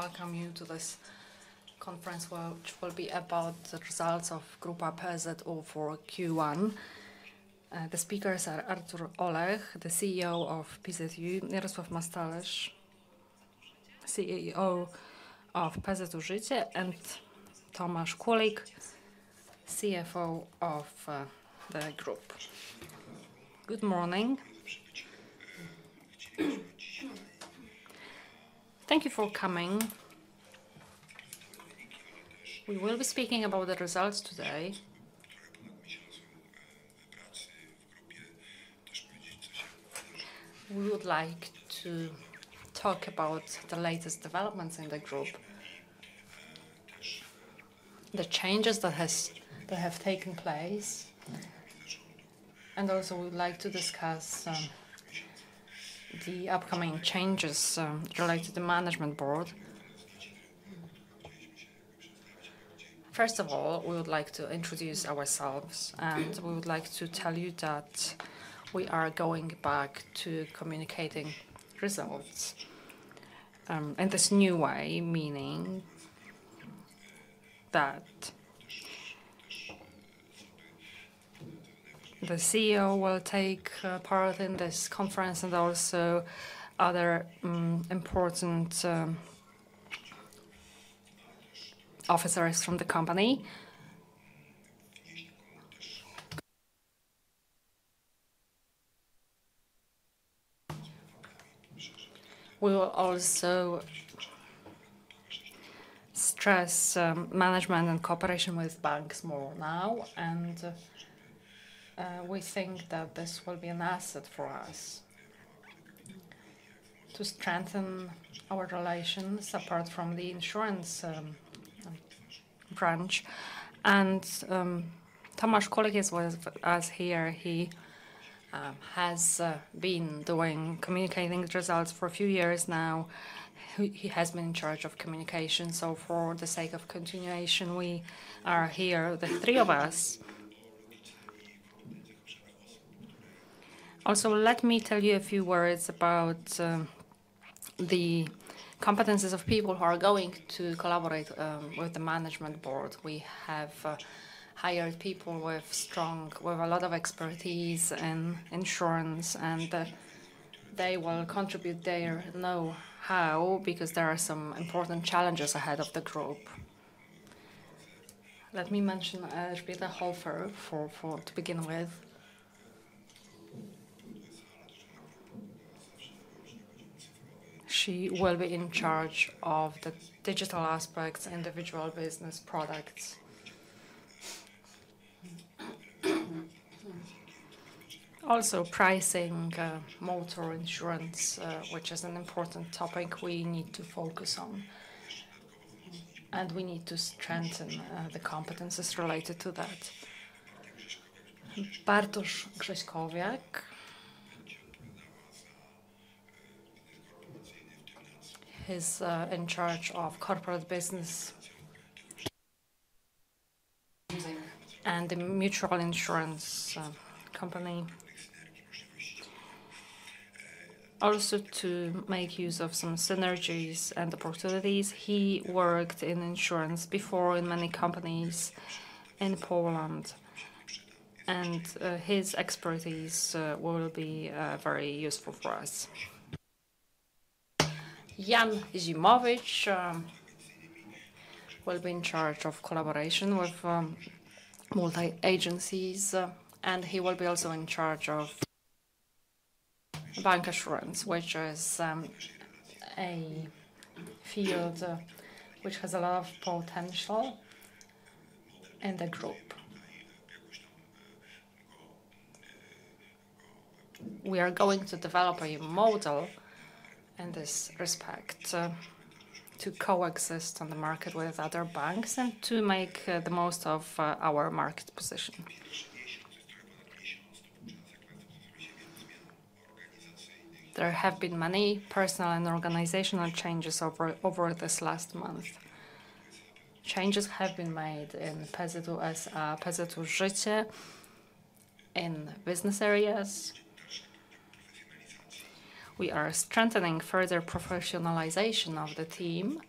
Let me welcome you to this conference, which will be about the results of Grupa PZU for Q1. The speakers are Artur Olech, the CEO of PZU, Jarosław Mastalerz, CEO of PZU Życie, and Tomasz Kulig, CFO of the group. Good morning. Thank you for coming. We will be speaking about the results today. We would like to talk about the latest developments in the group, the changes that has, that have taken place, and also we would like to discuss the upcoming changes related to the management board. First of all, we would like to introduce ourselves, and we would like to tell you that we are going back to communicating results in this new way, meaning that the CEO will take part in this conference and also other important officers from the company. We will also stress management and cooperation with banks more now, and we think that this will be an asset for us to strengthen our relations apart from the insurance branch. And Tomasz Kulig is with us here. He has been doing communicating the results for a few years now. He has been in charge of communication, so for the sake of continuation, we are here, the three of us. Also, let me tell you a few words about the competencies of people who are going to collaborate with the management board. We have hired people with a lot of expertise in insurance, and they will contribute their know-how because there are some important challenges ahead of the group. Let me mention Elżbieta Häuser-Schöneich to begin with. She will be in charge of the digital aspects, individual business products. Also, pricing, motor insurance, which is an important topic we need to focus on, and we need to strengthen, the competencies related to that. Bartosz Grześkowiak, he's, in charge of corporate business and the mutual insurance, company. Also, to make use of some synergies and opportunities, he worked in insurance before in many companies in Poland, and, his expertise, will be, very useful for us. Jan Zimowicz, will be in charge of collaboration with, multi agencies, and he will be also in charge of bank insurance, which is, a field, which has a lot of potential in the group. We are going to develop a model in this respect to coexist on the market with other banks and to make the most of our market position. There have been many personal and organizational changes over this last month. Changes have been made in PZU as PZU Życie in business areas. We are strengthening further professionalization of the team,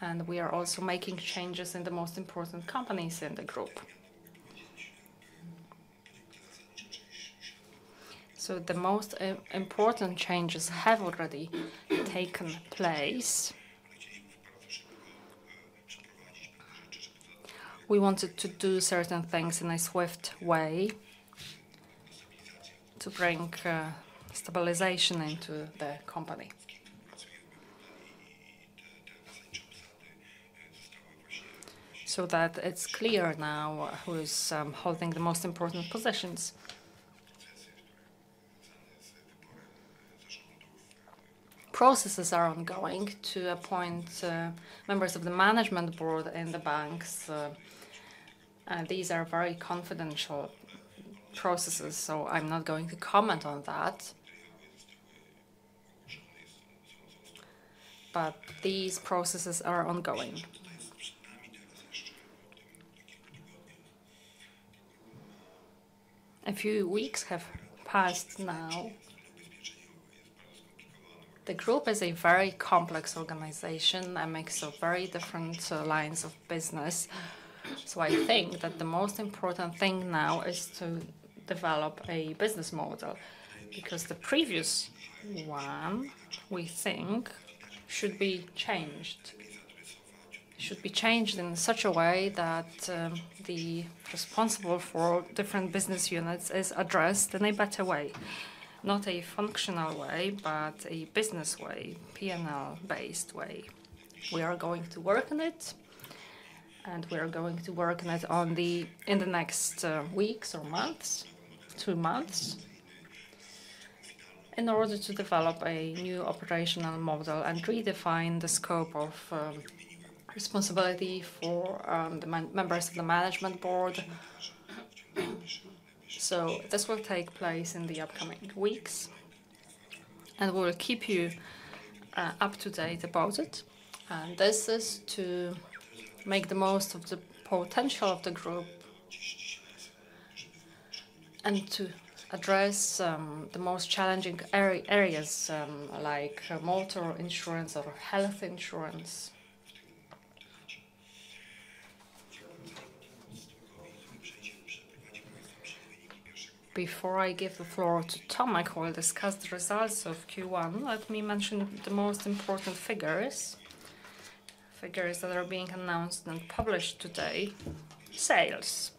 and we are also making changes in the most important companies in the group. So the most important changes have already taken place. We wanted to do certain things in a swift way to bring stabilization into the company, so that it's clear now who is holding the most important positions. Processes are ongoing to appoint members of the management board in the banks. And these are very confidential processes, so I'm not going to comment on that. But these processes are ongoing. A few weeks have passed now. The group is a very complex organization and makes a very different lines of business. So I think that the most important thing now is to develop a business model, because the previous one, we think, should be changed. It should be changed in such a way that the responsible for different business units is addressed in a better way. Not a functional way, but a business way, P&L-based way. We are going to work on it, and we are going to work on it in the next weeks or months, two months, in order to develop a new operational model and redefine the scope of responsibility for the members of the management board. So this will take place in the upcoming weeks, and we will keep you up to date about it. And this is to make the most of the potential of the group and to address the most challenging areas, like motor insurance or health insurance. Before I give the floor to Tomek, who will discuss the results of Q1, let me mention the most important figures, figures that are being announced and published today. Sales.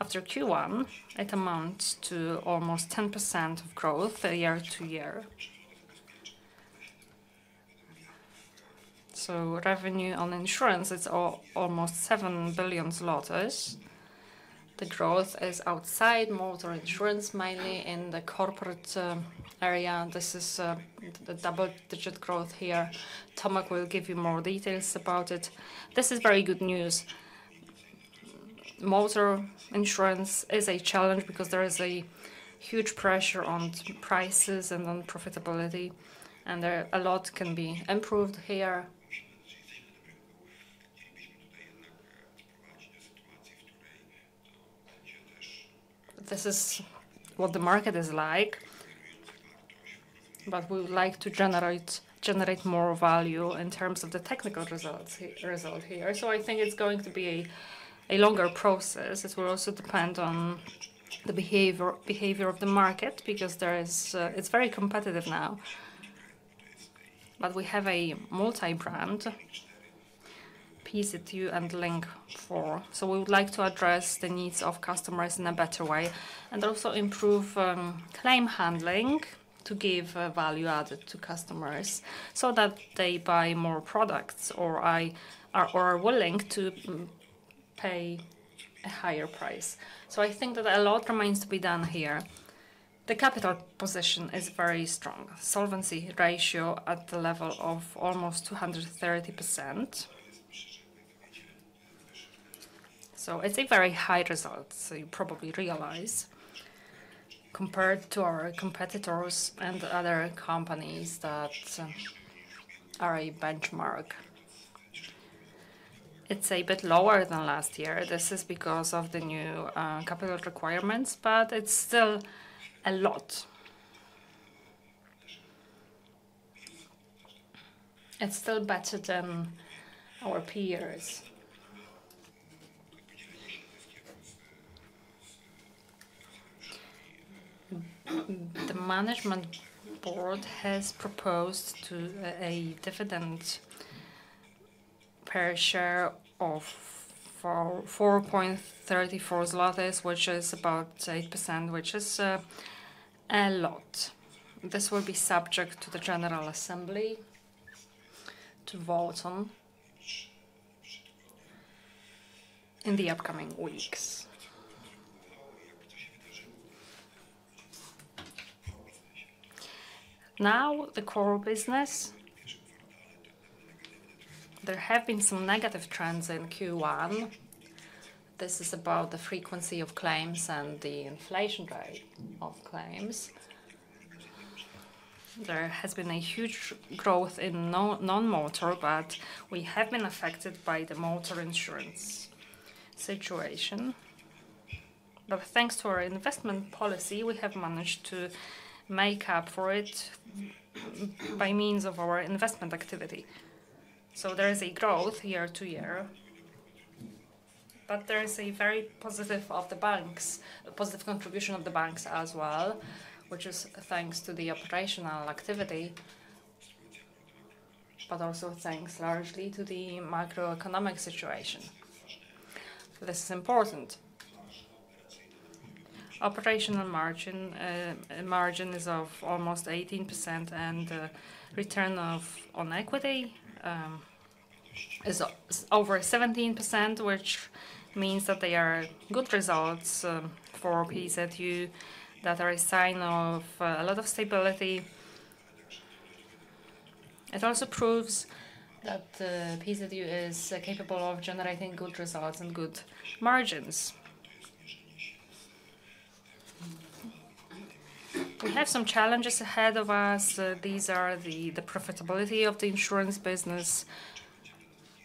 After Q1, it amounts to almost 10% of growth year-over-year. So revenue on insurance is almost 7 billion. The growth is outside motor insurance, mainly in the corporate area. This is the double-digit growth here. Tomek will give you more details about it. This is very good news. Motor insurance is a challenge because there is a huge pressure on prices and on profitability, and there's a lot can be improved here. This is what the market is like, but we would like to generate more value in terms of the technical results here. So I think it's going to be a longer process as we're also dependent on the behavior of the market, because it's very competitive now. But we have a multi-brand, PZU and Link4. So we would like to address the needs of customers in a better way, and also improve claim handling to give a value added to customers so that they buy more products or are willing to pay a higher price. So I think that a lot remains to be done here. The capital position is very strong. Solvency ratio at the level of almost 230%. So it's a very high result, so you probably realize, compared to our competitors and other companies that are a benchmark. It's a bit lower than last year. This is because of the new capital requirements, but it's still a lot. It's still better than our peers. The management board has proposed a dividend per share of 4.34, which is about 8%, which is a lot. This will be subject to the general assembly to vote on in the upcoming weeks. Now, the core business. There have been some negative trends in Q1. This is about the frequency of claims and the inflation rate of claims. There has been a huge growth in non-motor, but we have been affected by the motor insurance situation. But thanks to our investment policy, we have managed to make up for it by means of our investment activity. So there is a growth year to year, but there is a very positive of the banks, a positive contribution of the banks as well, which is thanks to the operational activity, but also thanks largely to the macroeconomic situation. This is important. Operational margin is of almost 18%, and return on equity is over 17%, which means that they are good results for PZU, that are a sign of a lot of stability. It also proves that the PZU is capable of generating good results and good margins. We have some challenges ahead of us. These are the profitability of the insurance business,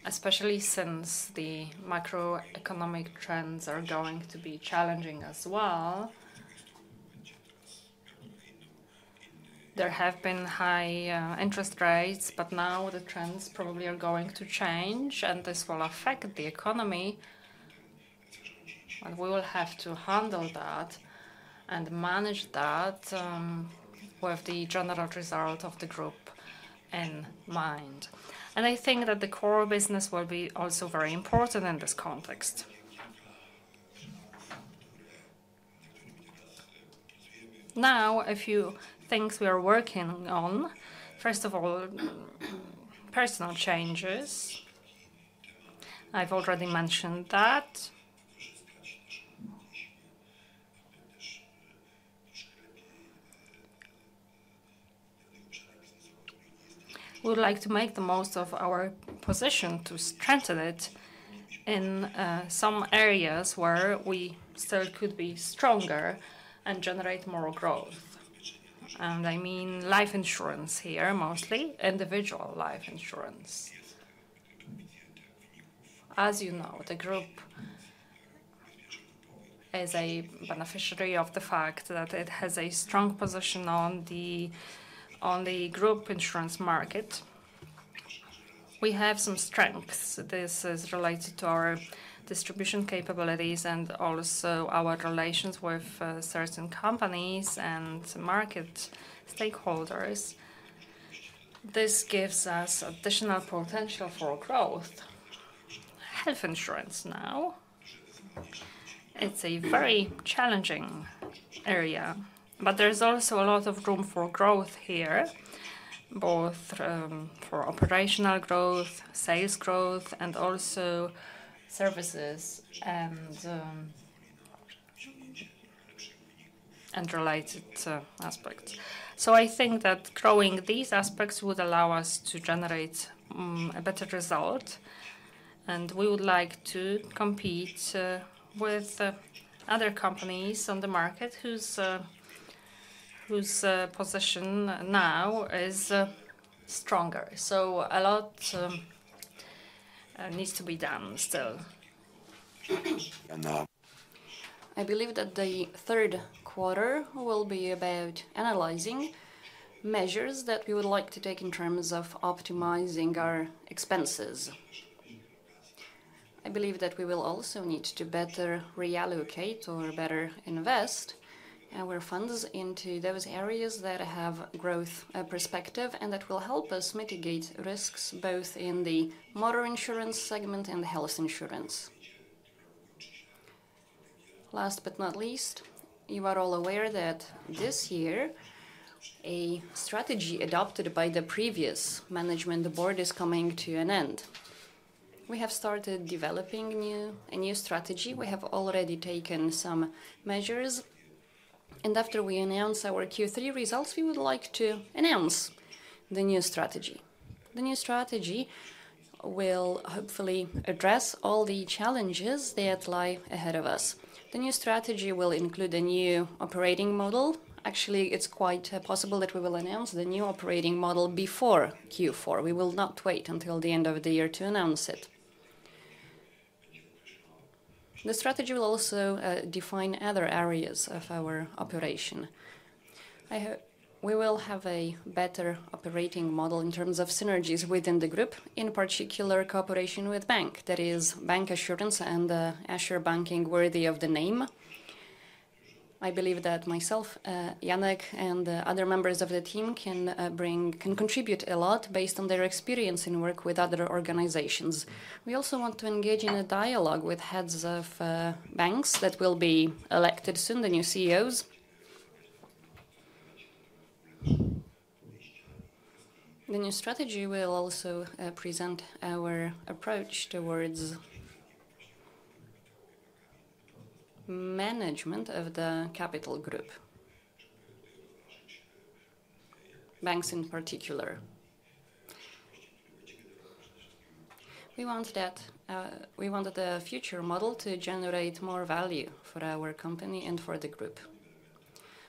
especially since the macroeconomic trends are going to be challenging as well. There have been high interest rates, but now the trends probably are going to change, and this will affect the economy, and we will have to handle that and manage that, with the general result of the group in mind. And I think that the core business will be also very important in this context. Now, a few things we are working on. First of all, personal changes. I've already mentioned that. We would like to make the most of our position to strengthen it in some areas where we still could be stronger and generate more growth, and I mean life insurance here, mostly individual life insurance. As you know, the group is a beneficiary of the fact that it has a strong position on the group insurance market. We have some strengths. This is related to our distribution capabilities and also our relations with certain companies and market stakeholders. This gives us additional potential for growth. Health insurance now, it's a very challenging area, but there's also a lot of room for growth here, both for operational growth, sales growth, and also services and and related aspects. So I think that growing these aspects would allow us to generate a better result, and we would like to compete with other companies on the market whose position now is stronger. So a lot needs to be done still. I believe that the third quarter will be about analyzing measures that we would like to take in terms of optimizing our expenses. I believe that we will also need to better reallocate or better invest our funds into those areas that have growth perspective, and that will help us mitigate risks both in the motor insurance segment and the health insurance. Last but not least, you are all aware that this year, a strategy adopted by the previous management board is coming to an end. We have started developing new a new strategy. We have already taken some measures, and after we announce our Q3 results, we would like to announce the new strategy. The new strategy will hopefully address all the challenges that lie ahead of us. The new strategy will include a new operating model. Actually, it's quite possible that we will announce the new operating model before Q4. We will not wait until the end of the year to announce it. The strategy will also define other areas of our operation. I hope we will have a better operating model in terms of synergies within the group, in particular, cooperation with bank. That is, bank assurance and assure banking worthy of the name. I believe that myself, Janek, and other members of the team can bring, can contribute a lot based on their experience in work with other organizations. We also want to engage in a dialogue with heads of banks that will be elected soon, the new CEOs. The new strategy will also present our approach towards management of the capital group, banks in particular. We want that We want the future model to generate more value for our company and for the group.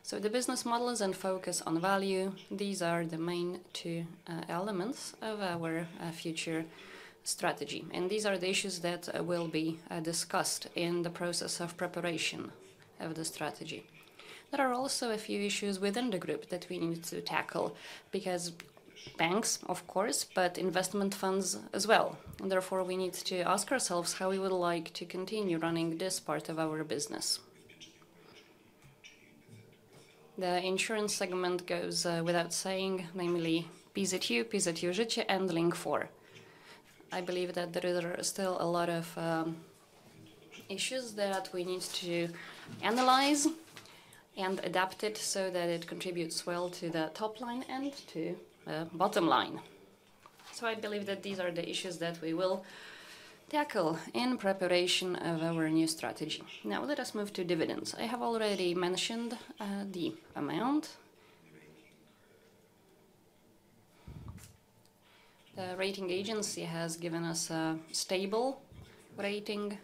So the business models and focus on value, these are the main two elements of our future strategy, and these are the issues that will be discussed in the process of preparation of the strategy. There are also a few issues within the group that we need to tackle, because banks, of course, but investment funds as well. And therefore, we need to ask ourselves how we would like to continue running this part of our business. The insurance segment goes without saying, namely, PZU, PZU Życie, and Link4. I believe that there are still a lot of issues that we need to analyze and adapt it so that it contributes well to the top line and to bottom line. So I believe that these are the issues that we will tackle in preparation of our new strategy. Now, let us move to dividends. I have already mentioned the amount. The rating agency has given us a stable rating.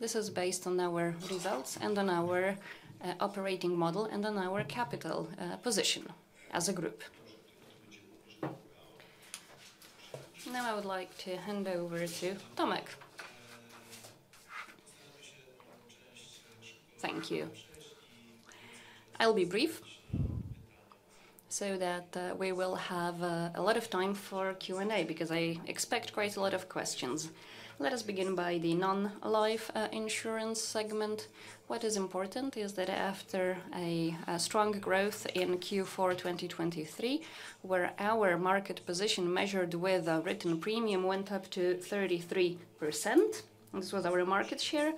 This is based on our results and on our operating model, and on our capital position as a group. Now, I would like to hand over to Tomek. Thank you. I'll be brief so that we will have a lot of time for Q&A, because I expect quite a lot of questions. Let us begin by the non-life insurance segment. What is important is that after a strong growth in Q4 2023, where our market position measured with a written premium went up to 33%, this was our market share.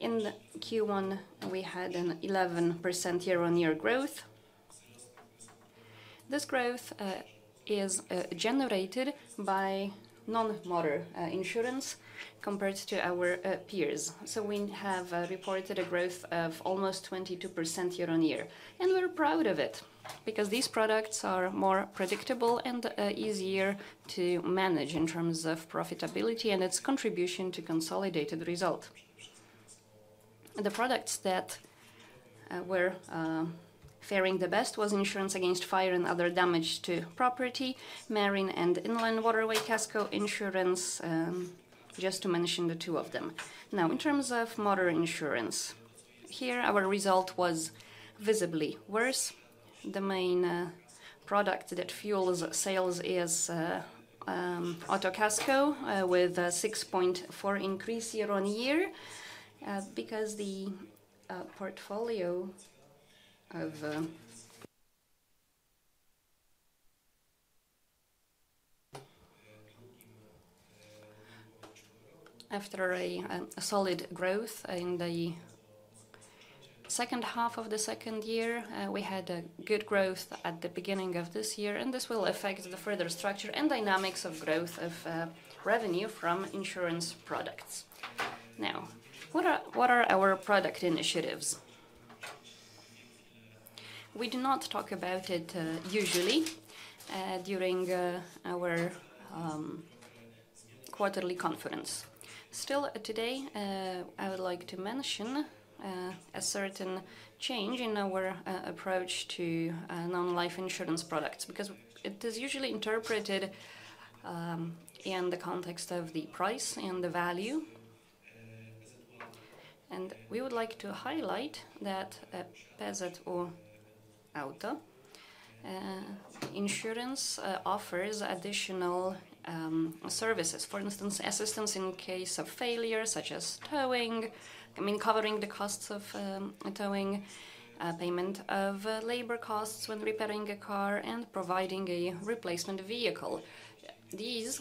In Q1, we had an 11% year-on-year growth. This growth is generated by non-motor insurance compared to our peers. So we have reported a growth of almost 22% year-on-year, and we're proud of it because these products are more predictable and easier to manage in terms of profitability and its contribution to consolidated result. The products that were faring the best was insurance against fire and other damage to property, marine and inland waterway Casco insurance, just to mention the two of them. Now, in terms of motor insurance, here our result was visibly worse. The main product that fuels sales is Auto Casco with a 6.4 increase year-on-year because the portfolio of... After a solid growth in the second half of the second year, we had a good growth at the beginning of this year, and this will affect the further structure and dynamics of growth of revenue from insurance products. Now, what are our product initiatives? We do not talk about it usually during our quarterly conference. Still, today, I would like to mention a certain change in our approach to non-life insurance products, because it is usually interpreted in the context of the price and the value. And we would like to highlight that PZU Auto insurance offers additional services. For instance, assistance in case of failure, such as towing, I mean, covering the costs of towing, payment of labor costs when repairing a car and providing a replacement vehicle. These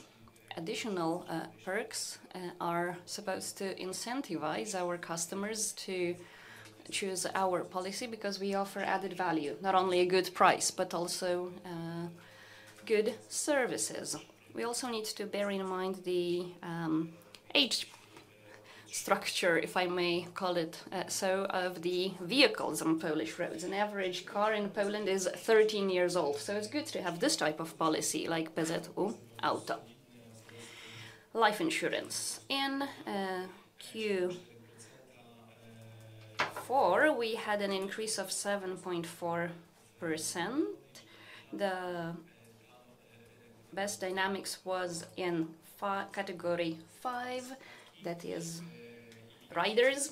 additional perks are supposed to incentivize our customers to choose our policy because we offer added value, not only a good price, but also good services. We also need to bear in mind the age structure, if I may call it, so of the vehicles on Polish roads. An average car in Poland is 13 years old, so it's good to have this type of policy like PZU Auto. Life insurance. In Q4, we had an increase of 7.4%. The best dynamics was in category five, that is, riders.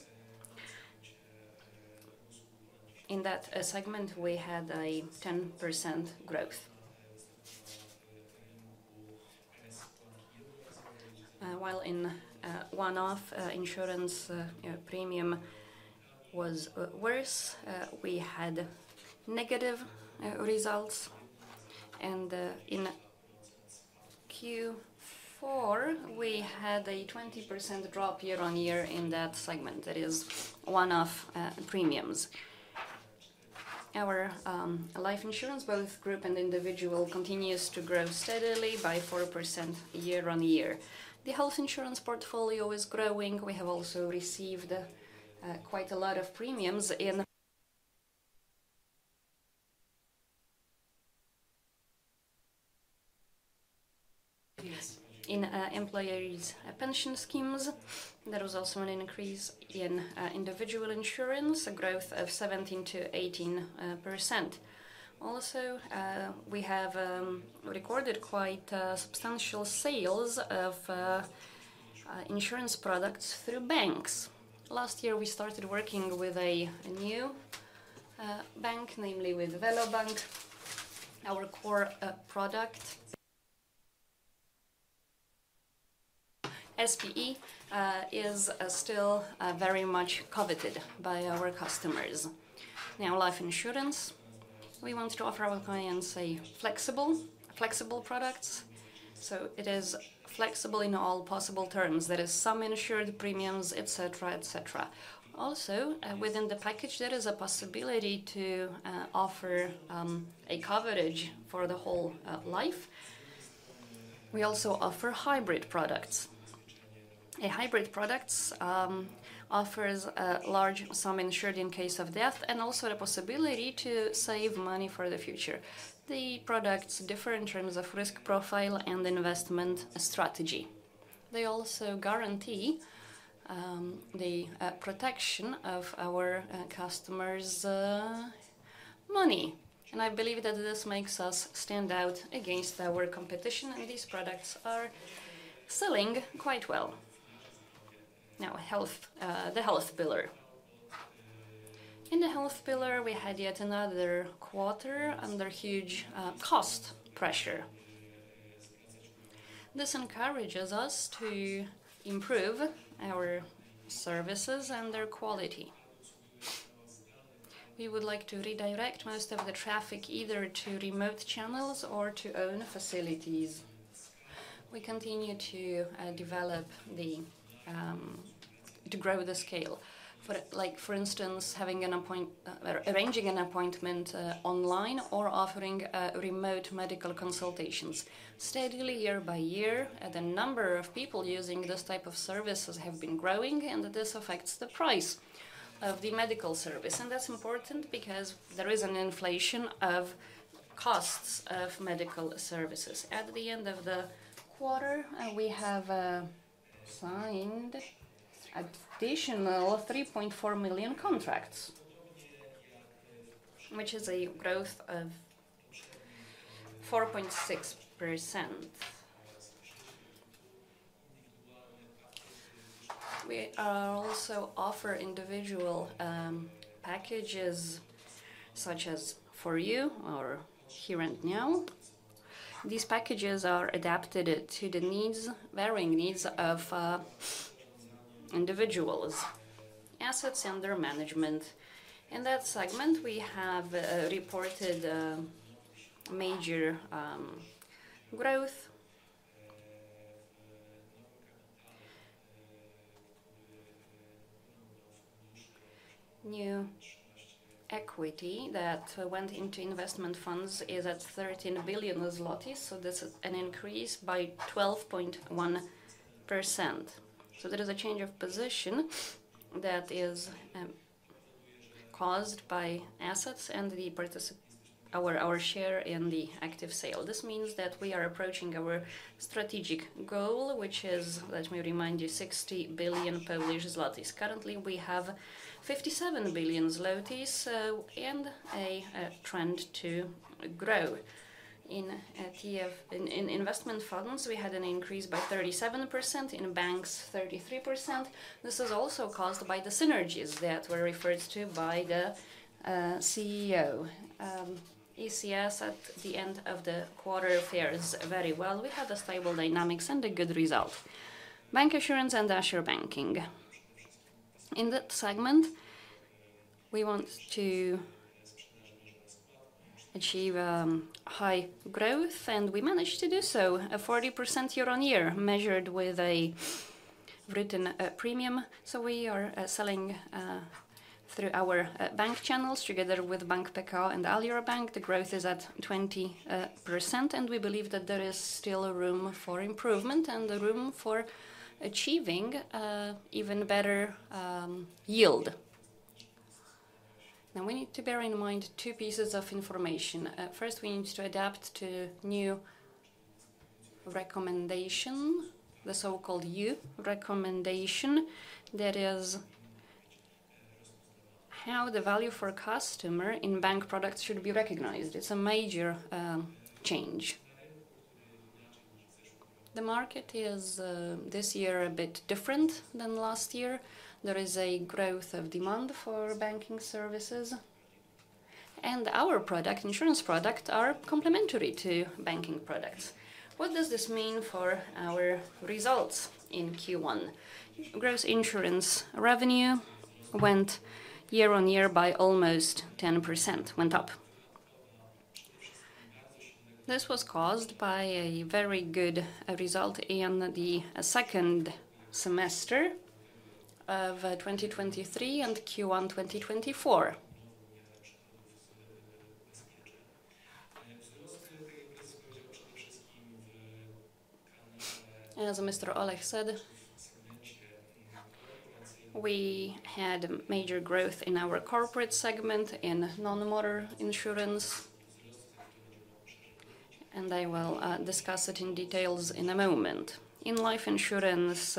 In that segment, we had a 10% growth. While in one-off insurance premium was worse, we had negative results, and in Q4, we had a 20% drop year-on-year in that segment, that is one-off premiums. Our life insurance, both group and individual, continues to grow steadily by 4% year-on-year. The health insurance portfolio is growing. We have also received quite a lot of premiums in... Yes, in employees' pension schemes. There was also an increase in individual insurance, a growth of 17%-18%. Also, we have recorded quite substantial sales of insurance products through banks. Last year, we started working with a new bank, namely with Velo Bank. Our core product, PPE, is still very much coveted by our customers. Now, life insurance, we want to offer our clients a flexible, flexible products. So it is flexible in all possible terms. There is some insured premiums, et cetera, et cetera. Also, within the package, there is a possibility to offer a coverage for the whole life. We also offer hybrid products. A hybrid products offers a large sum insured in case of death and also the possibility to save money for the future. The products differ in terms of risk profile and investment strategy. They also guarantee the protection of our customers' money, and I believe that this makes us stand out against our competition, and these products are selling quite well. Now, health, the health pillar. In the health pillar, we had yet another quarter under huge cost pressure. This encourages us to improve our services and their quality. We would like to redirect most of the traffic either to remote channels or to own facilities. We continue to develop the to grow the scale. For like, for instance, arranging an appointment online or offering remote medical consultations. Steadily, year by year, the number of people using this type of services have been growing, and this affects the price of the medical service. That's important because there is an inflation of costs of medical services. At the end of the quarter, we have signed additional 3.4 million contracts, which is a growth of 4.6%. We also offer individual packages such as For You or Here and Now. These packages are adapted to the needs, varying needs of individuals. Assets under management. In that segment, we have reported major growth. New equity that went into investment funds is at 13 billion zlotys, so this is an increase by 12.1%. So there is a change of position that is caused by assets and the participation, our share in the active sale. This means that we are approaching our strategic goal, which is, let me remind you, 60 billion Polish zlotys. Currently, we have 57 billion zlotys, so and a trend to grow. In TF, in investment funds, we had an increase by 37%, in banks, 33%. This is also caused by the synergies that were referred to by the CEO. ECS at the end of the quarter fares very well. We had a stable dynamics and a good result. Bank insurance and bancassurance. In that segment, we want to achieve high growth, and we managed to do so, a 40% year-on-year, measured with a written premium. So we are selling through our bank channels together with Bank Pekao and Alior Bank. The growth is at 20%, and we believe that there is still room for improvement and the room for achieving even better yield. Now, we need to bear in mind two pieces of information. First, we need to adapt to new recommendation, the so-called EU recommendation. That is, how the value for a customer in bank products should be recognized. It's a major change. The market is this year a bit different than last year. There is a growth of demand for banking services, and our product, insurance product, are complementary to banking products. What does this mean for our results in Q1? Gross insurance revenue went year on year by almost 10%, went up. This was caused by a very good result in the second semester of 2023 and Q1, 2024. As Mr. Olech said, we had major growth in our corporate segment in non-motor insurance, and I will discuss it in details in a moment. In life insurance,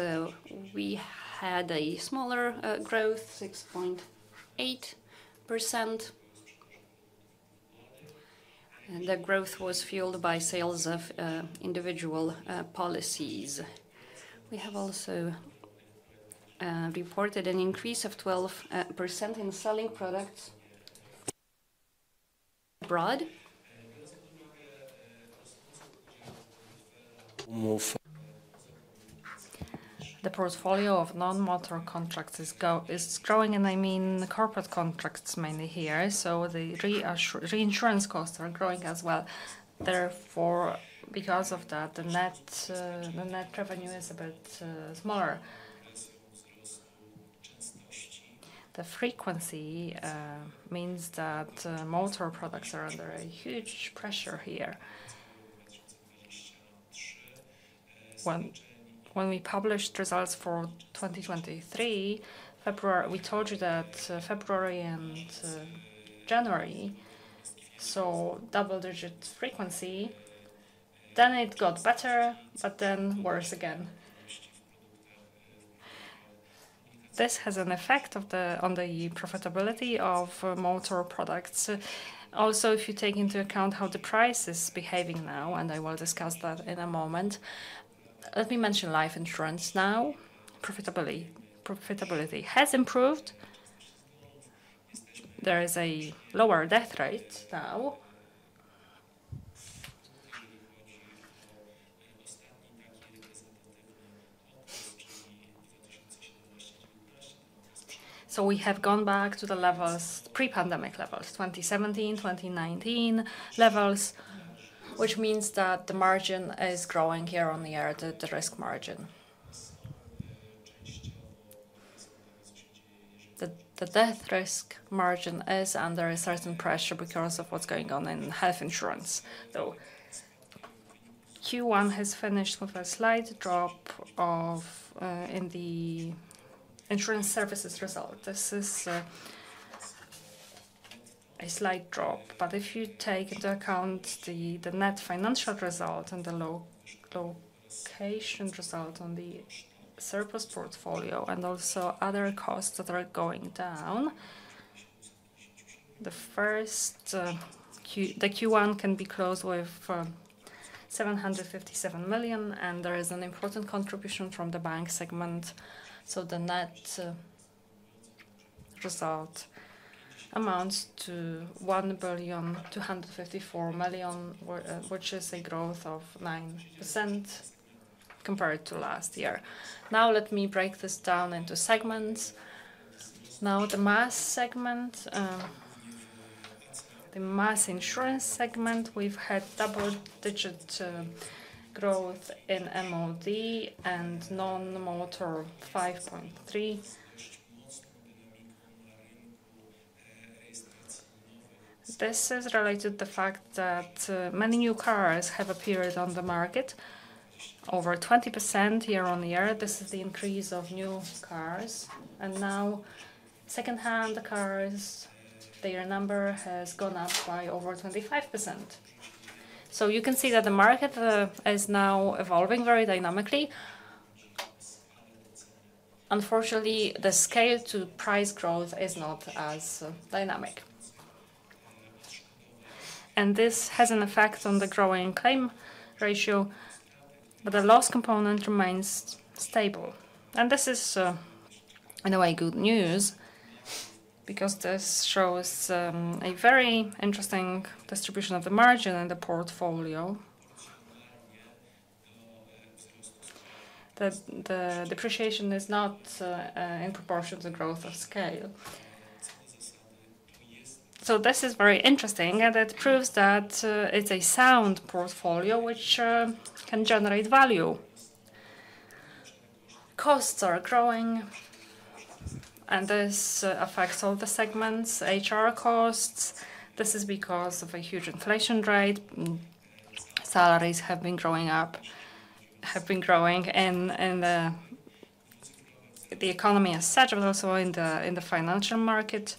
we had a smaller growth, 6.8%. The growth was fueled by sales of individual policies. We have also reported an increase of 12% in selling products abroad. The portfolio of non-motor contracts is growing, and I mean corporate contracts mainly here, so the reinsurance costs are growing as well. Therefore, because of that, the net revenue is a bit smaller. The frequency means that motor products are under huge pressure here. When we published results for 2023 February, we told you that February and January, so double-digit frequency, then it got better, but then worse again. This has an effect on the profitability of motor products. Also, if you take into account how the price is behaving now, and I will discuss that in a moment. Let me mention life insurance now. Profitability has improved. There is a lower death rate now. So we have gone back to the levels, pre-pandemic levels, 2017, 2019 levels, which means that the margin is growing year on year, the risk margin. The death risk margin is under a certain pressure because of what's going on in health insurance, though. Q1 has finished with a slight drop of. In the insurance services result. This is a slight drop, but if you take into account the net financial result and the location result on the surplus portfolio and also other costs that are going down, the Q1 can be closed with 757 million, and there is an important contribution from the bank segment, so the net result amounts to 1,254 million, which is a growth of 9% compared to last year. Now, let me break this down into segments. Now, the mass segment, the mass insurance segment, we've had double-digit growth in MOD and non-motor, 5.3. This is related to the fact that many new cars have appeared on the market. Over 20% year-on-year, this is the increase of new cars. And now, second-hand cars, their number has gone up by over 25%. So you can see that the market is now evolving very dynamically. Unfortunately, the scale to price growth is not as dynamic. And this has an effect on the growing claim ratio, but the loss component remains stable. And this is, in a way, good news because this shows a very interesting distribution of the margin and the portfolio. The depreciation is not in proportion to the growth of scale. So this is very interesting, and it proves that it's a sound portfolio which can generate value. Costs are growing, and this affects all the segments, HR costs. This is because of a huge inflation rate. Salaries have been growing up, have been growing in the economy as such, but also in the financial market.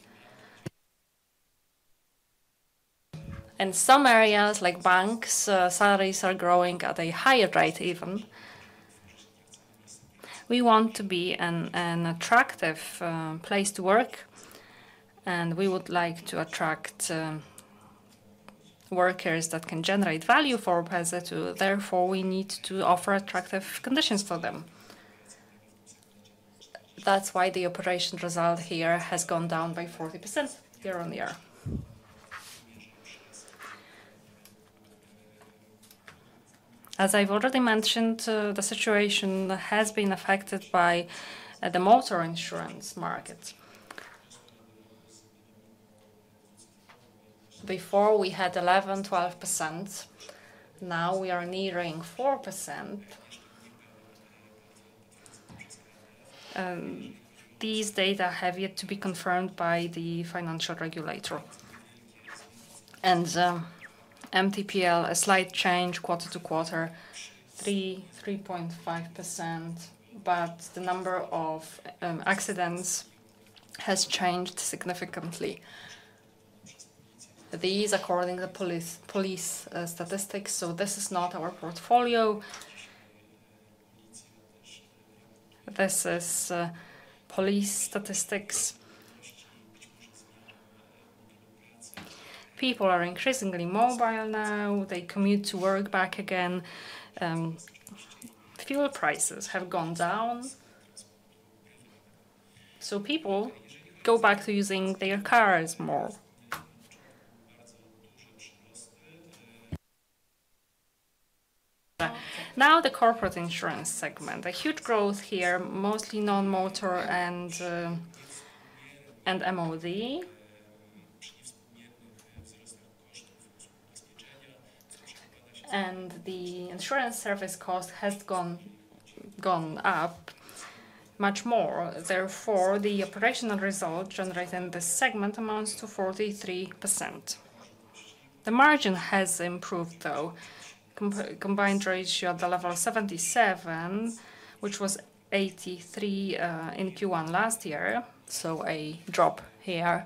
In some areas, like banks, salaries are growing at a higher rate even. We want to be an attractive place to work, and we would like to attract workers that can generate value for PZ. Therefore, we need to offer attractive conditions for them. That's why the operation result here has gone down by 40% year-on-year. As I've already mentioned, the situation has been affected by the motor insurance market. Before, we had 11%-12%, now we are nearing 4%. These data have yet to be confirmed by the financial regulator. MTPL, a slight change quarter-to-quarter, 3%-3.5%, but the number of accidents has changed significantly. These, according to police statistics, so this is not our portfolio. This is police statistics. People are increasingly mobile now. They commute to work back again. Fuel prices have gone down, so people go back to using their cars more. Now, the corporate insurance segment. A huge growth here, mostly non-motor and MOD, and the insurance service cost has gone up much more. Therefore, the operational result generating this segment amounts to 43%. The margin has improved, though. Combined Ratio at the level of 77, which was 83 in Q1 last year, so a drop here.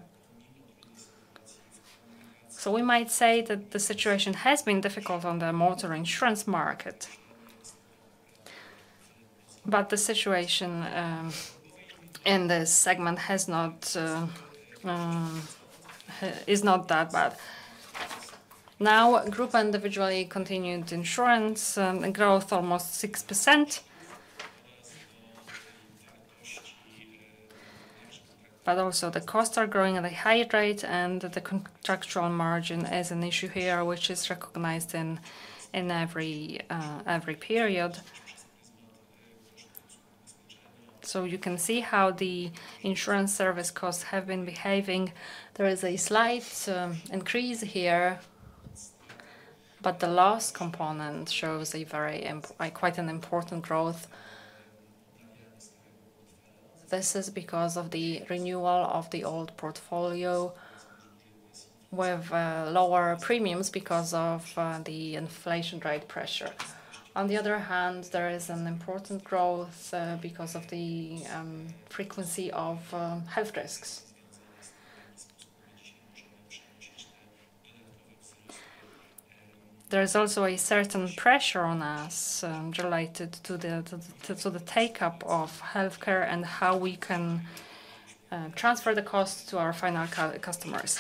So we might say that the situation has been difficult on the motor insurance market. But the situation in this segment has not, is not that bad. Now, group individual continued insurance, growth almost 6%. But also the costs are growing at a high rate, and the contractual margin is an issue here, which is recognized in every period. So you can see how the insurance service costs have been behaving. There is a slight increase here, but the last component shows quite an important growth. This is because of the renewal of the old portfolio with lower premiums because of the inflation rate pressure. On the other hand, there is an important growth because of the frequency of health risks. There is also a certain pressure on us related to the take-up of healthcare and how we can transfer the costs to our final customers.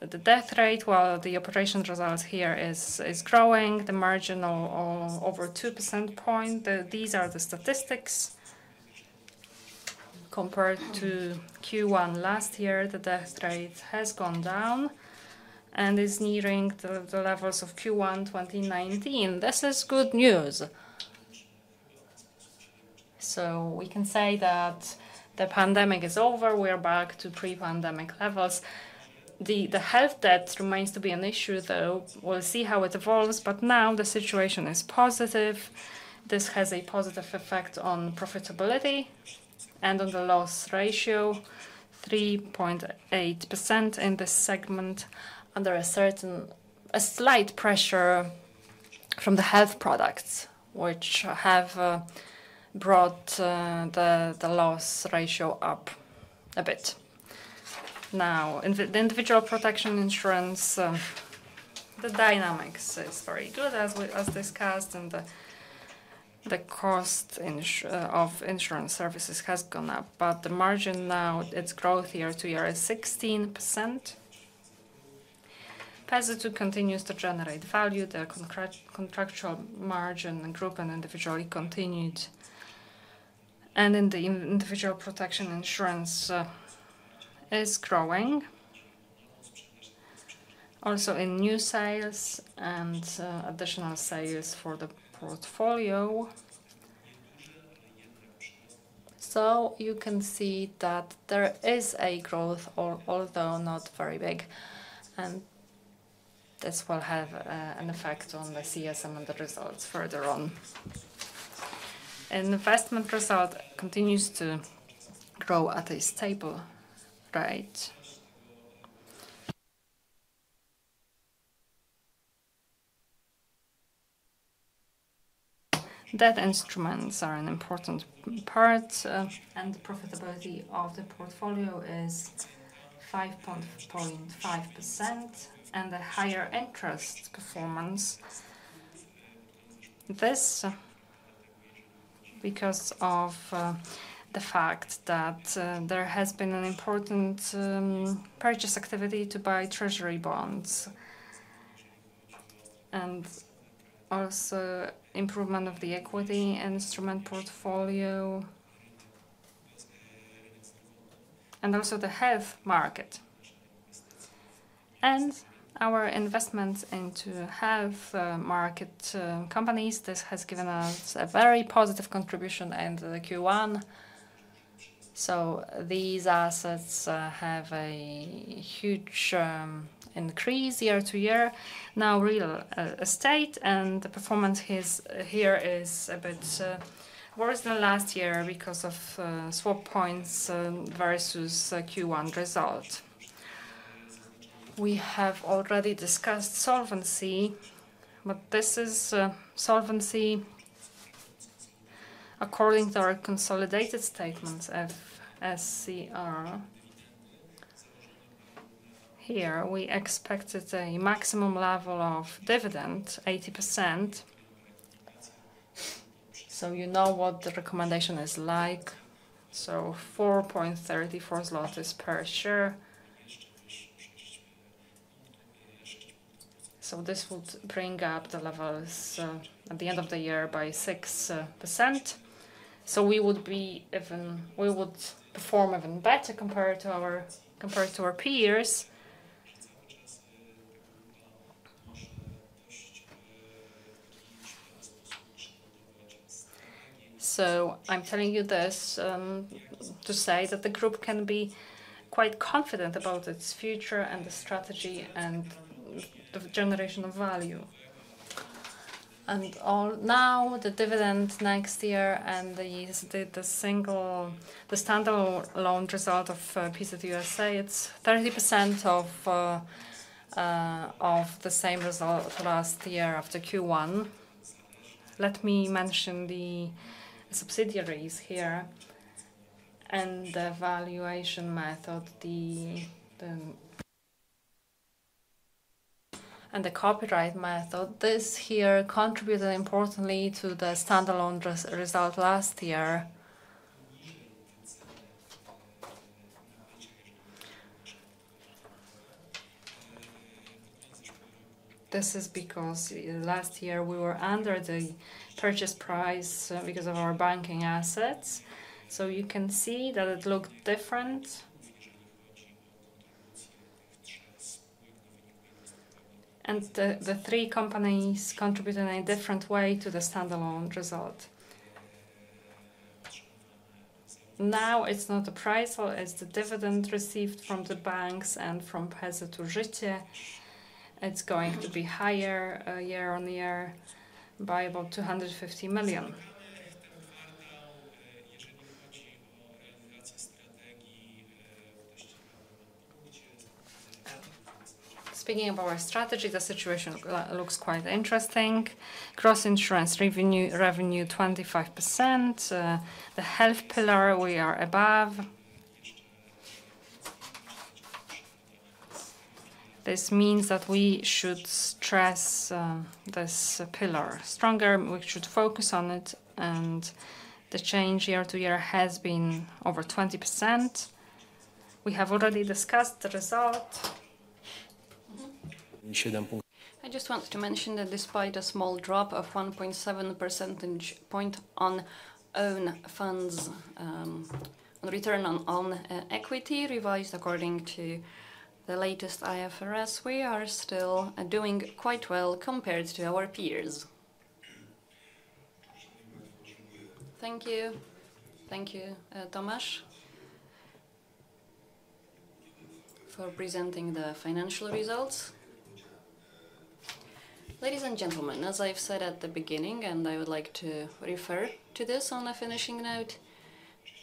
The death rate, while the operation results here is growing, the margin are over two percentage points. These are the statistics. Compared to Q1 last year, the death rate has gone down and is nearing the levels of Q1 2019. This is good news. So we can say that the pandemic is over. We are back to pre-pandemic levels. The health debt remains to be an issue, though. We'll see how it evolves, but now the situation is positive. This has a positive effect on profitability and on the loss ratio, 3.8% in this segment, under a certain... a slight pressure from the health products, which have brought the loss ratio up a bit. Now, in the individual protection insurance, the dynamics is very good, as we, as discussed, and the cost of insurance services has gone up. But the margin now, its growth year-over-year is 16%. PZU continues to generate value. The contractual margin and group and individually continued, and in the individual protection insurance, is growing. Also in new sales and additional sales for the portfolio. So you can see that there is a growth, although not very big, and this will have an effect on the CSM and the results further on. And investment result continues to grow at a stable rate. Debt instruments are an important part, and the profitability of the portfolio is 5.5% and a higher interest performance. This because of the fact that there has been an important purchase activity to buy treasury bonds, and also improvement of the equity instrument portfolio, and also the health market. And our investment into health market companies, this has given us a very positive contribution into the Q1. So these assets have a huge increase year-to-year. Now, real estate and the performance is here a bit worse than last year because of swap points versus Q1 result. We have already discussed solvency, but this is solvency according to our consolidated statements, FSCR. Here, we expected a maximum level of dividend, 80%. So you know what the recommendation is like. So 4.34 zlotys per share. So this would bring up the levels at the end of the year by 6%. So we would be even we would perform even better compared to our peers. So I'm telling you this, to say that the group can be quite confident about its future and the strategy and the generation of value. And now, the dividend next year and the, the, the standalone result of PZU S.A., it's 30% of the same result last year after Q1. Let me mention the subsidiaries here and the valuation method and the equity method. This here contributed importantly to the standalone result last year. This is because last year we were under the purchase price because of our banking assets. So you can see that it looked different. And the three companies contributed in a different way to the standalone result. Now, it's not the price or it's the dividend received from the banks and from PZU Życie. It's going to be higher year-on-year by about PLN 250 million. Speaking of our strategy, the situation looks quite interesting. Gross insurance revenue, revenue, 25%. The health pillar, we are above. This means that we should stress this pillar stronger, we should focus on it, and the change year-on-year has been over 20%. We have already discussed the result. Mm-hmm. I just want to mention that despite a small drop of 1.7 percentage point on own funds, on return on own equity, revised according to the latest IFRS, we are still doing quite well compared to our peers. Thank you. Thank you, Tomasz, for presenting the financial results. Ladies and gentlemen, as I've said at the beginning, and I would like to refer to this on a finishing note,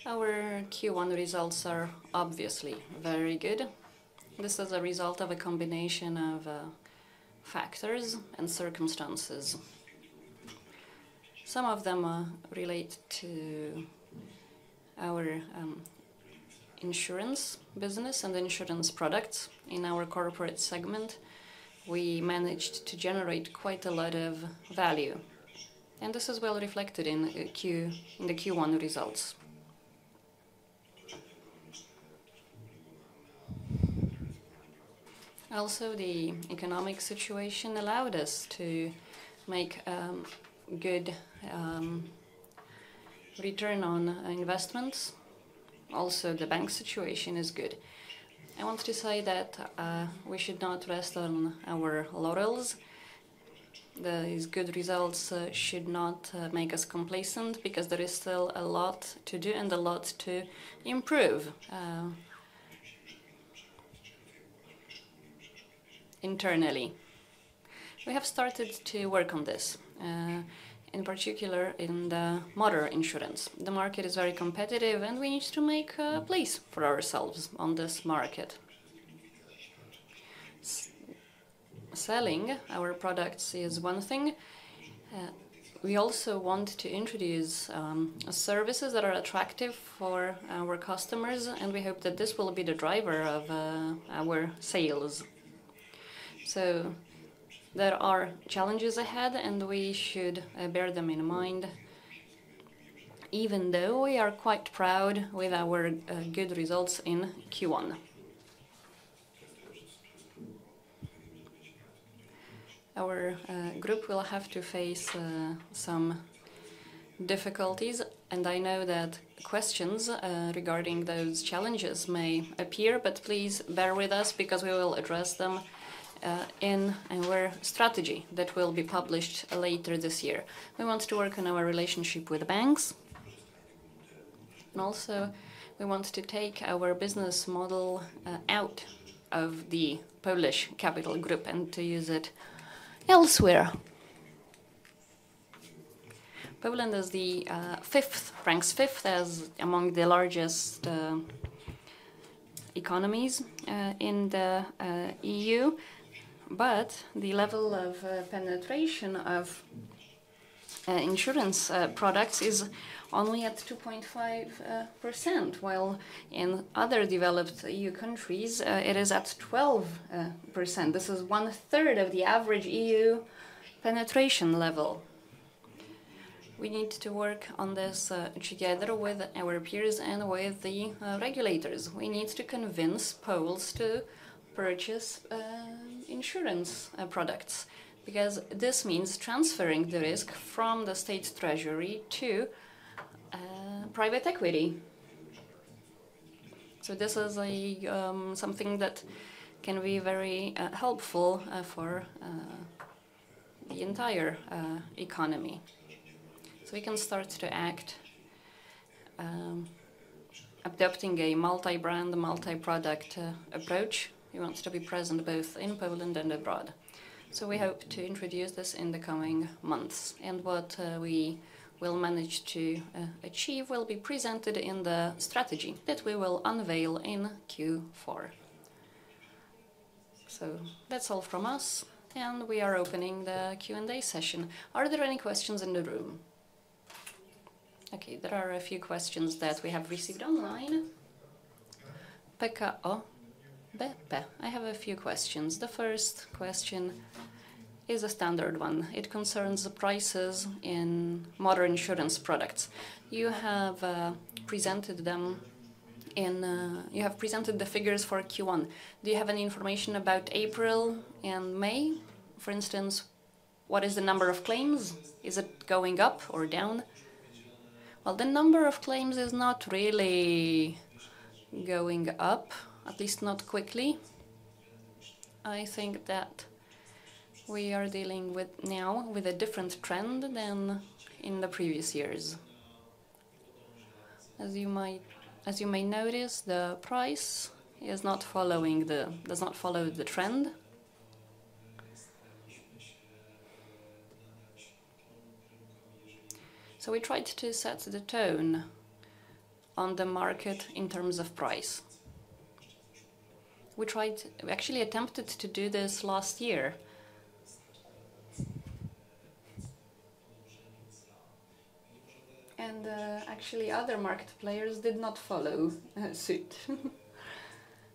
our Q1 results are obviously very good. This is a result of a combination of factors and circumstances. Some of them relate to our insurance business and insurance products. In our corporate segment, we managed to generate quite a lot of value, and this is well reflected in the Q1 results. Also, the economic situation allowed us to make good return on investments. Also, the bank situation is good. I want to say that we should not rest on our laurels. These good results should not make us complacent because there is still a lot to do and a lot to improve internally. We have started to work on this in particular in the motor insurance. The market is very competitive, and we need to make place for ourselves on this market. Selling our products is one thing, we also want to introduce services that are attractive for our customers, and we hope that this will be the driver of our sales. So there are challenges ahead, and we should bear them in mind, even though we are quite proud with our good results in Q1. Our group will have to face some difficulties, and I know that questions regarding those challenges may appear, but please bear with us because we will address them in our strategy that will be published later this year. We want to work on our relationship with the banks, and also we want to take our business model out of the Polish capital group and to use it elsewhere. Poland is the fifth, ranks fifth among the largest economies in the EU, but the level of penetration of insurance products is only at 2.5%, while in other developed EU countries it is at 12%. This is 1/3 of the average EU penetration level. We need to work on this together with our peers and with the regulators. We need to convince Poles to purchase insurance products, because this means transferring the risk from the state treasury to private equity. So this is a something that can be very helpful for the entire economy. So we can start to act, adopting a multi-brand, multi-product approach. We want to be present both in Poland and abroad. So we hope to introduce this in the coming months, and what we will manage to achieve will be presented in the strategy that we will unveil in Q4. So that's all from us, and we are opening the Q&A session. Are there any questions in the room? Okay, there are a few questions that we have received online. PKO BP, I have a few questions. The first question is a standard one. It concerns the prices in motor insurance products. You have presented the figures for Q1. Do you have any information about April and May? For instance, what is the number of claims? Is it going up or down? Well, the number of claims is not really going up, at least not quickly. I think that we are dealing with now with a different trend than in the previous years. As you may notice, the price does not follow the trend. So we tried to set the tone on the market in terms of price. We actually attempted to do this last year. Actually, other market players did not follow suit.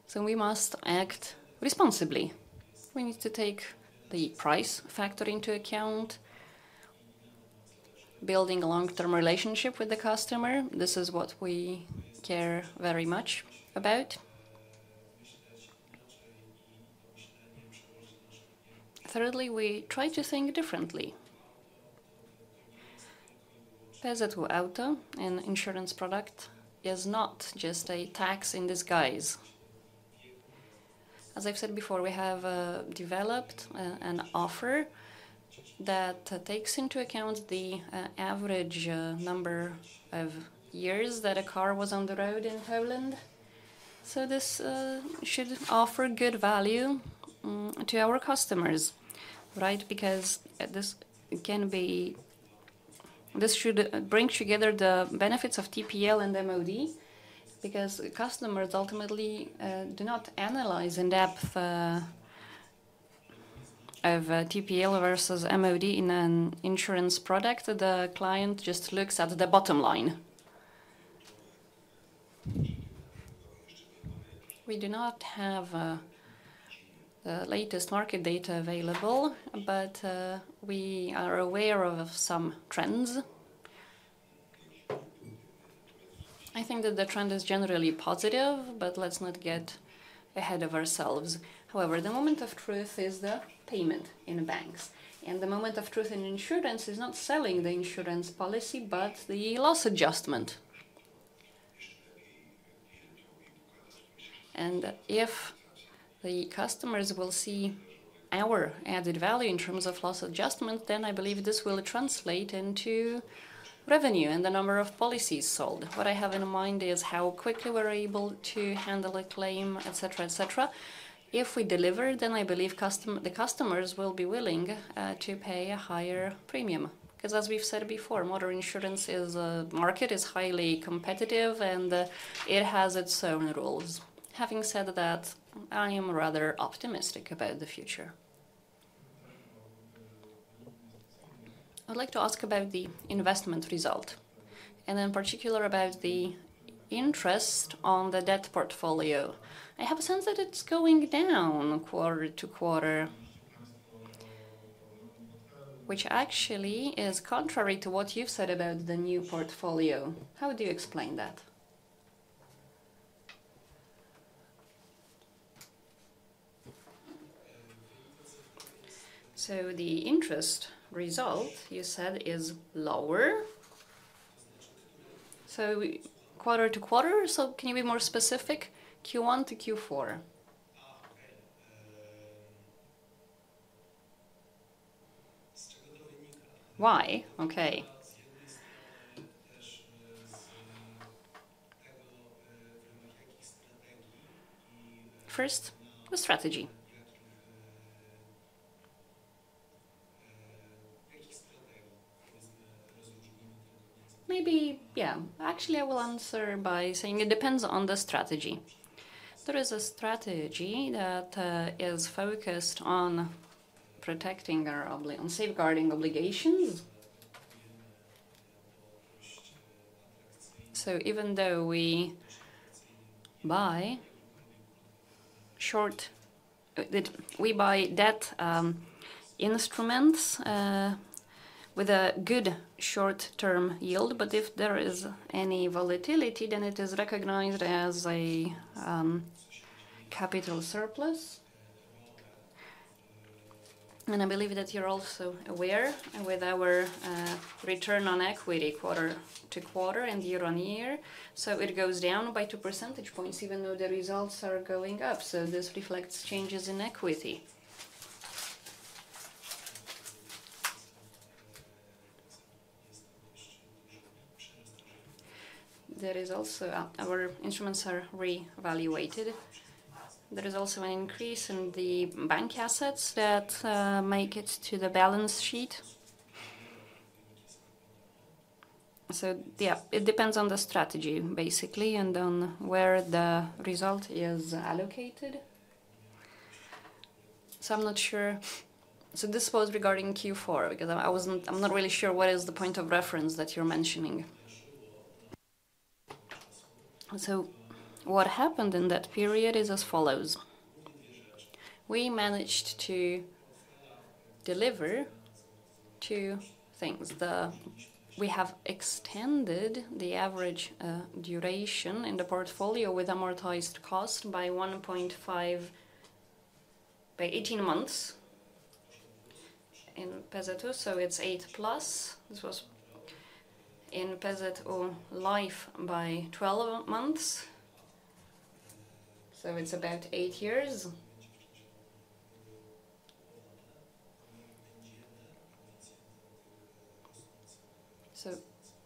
So we must act responsibly. We need to take the price factor into account, building a long-term relationship with the customer. This is what we care very much about. Thirdly, we try to think differently. PZU Auto, an insurance product, is not just a tax in disguise. As I've said before, we have developed an offer that takes into account the average number of years that a car was on the road in Poland. So this should offer good value to our customers, right? Because this can be. This should bring together the benefits of TPL and MOD, because customers ultimately do not analyze in depth of TPL versus MOD in an insurance product. The client just looks at the bottom line. We do not have the latest market data available, but we are aware of some trends. I think that the trend is generally positive, but let's not get ahead of ourselves. However, the moment of truth is the payment in banks, and the moment of truth in insurance is not selling the insurance policy, but the loss adjustment. And if the customers will see our added value in terms of loss adjustment, then I believe this will translate into revenue and the number of policies sold. What I have in mind is how quickly we're able to handle a claim, et cetera, et cetera. If we deliver, then I believe the customers will be willing to pay a higher premium. 'Cause as we've said before, motor insurance is a market, is highly competitive, and it has its own rules. Having said that, I am rather optimistic about the future. I'd like to ask about the investment result, and in particular, about the interest on the debt portfolio. I have a sense that it's going down quarter to quarter, which actually is contrary to what you've said about the new portfolio. How would you explain that? So the interest result you said is lower, so quarter to quarter? So can you be more specific, Q one to Q four? Why? Okay. First, the strategy. Maybe, yeah. Actually, I will answer by saying it depends on the strategy. There is a strategy that is focused on safeguarding obligations. So even though we buy short. We buy debt instruments with a good short-term yield, but if there is any volatility, then it is recognized as a capital surplus. And I believe that you're also aware with our return on equity quarter-to-quarter and year-on-year. So it goes down by two percentage points, even though the results are going up, so this reflects changes in equity. There is also our instruments are revaluated. There is also an increase in the bank assets that make it to the balance sheet. So yeah, it depends on the strategy, basically, and on where the result is allocated. So I'm not sure. This was regarding Q4, because I wasn't. I'm not really sure what is the point of reference that you're mentioning. What happened in that period is as follows: we managed to deliver two things. We have extended the average duration in the portfolio with amortized cost by 1.5 by 18 months in PZU, so it's 8+. This was in PZU Life by 12 months, so it's about 8 years.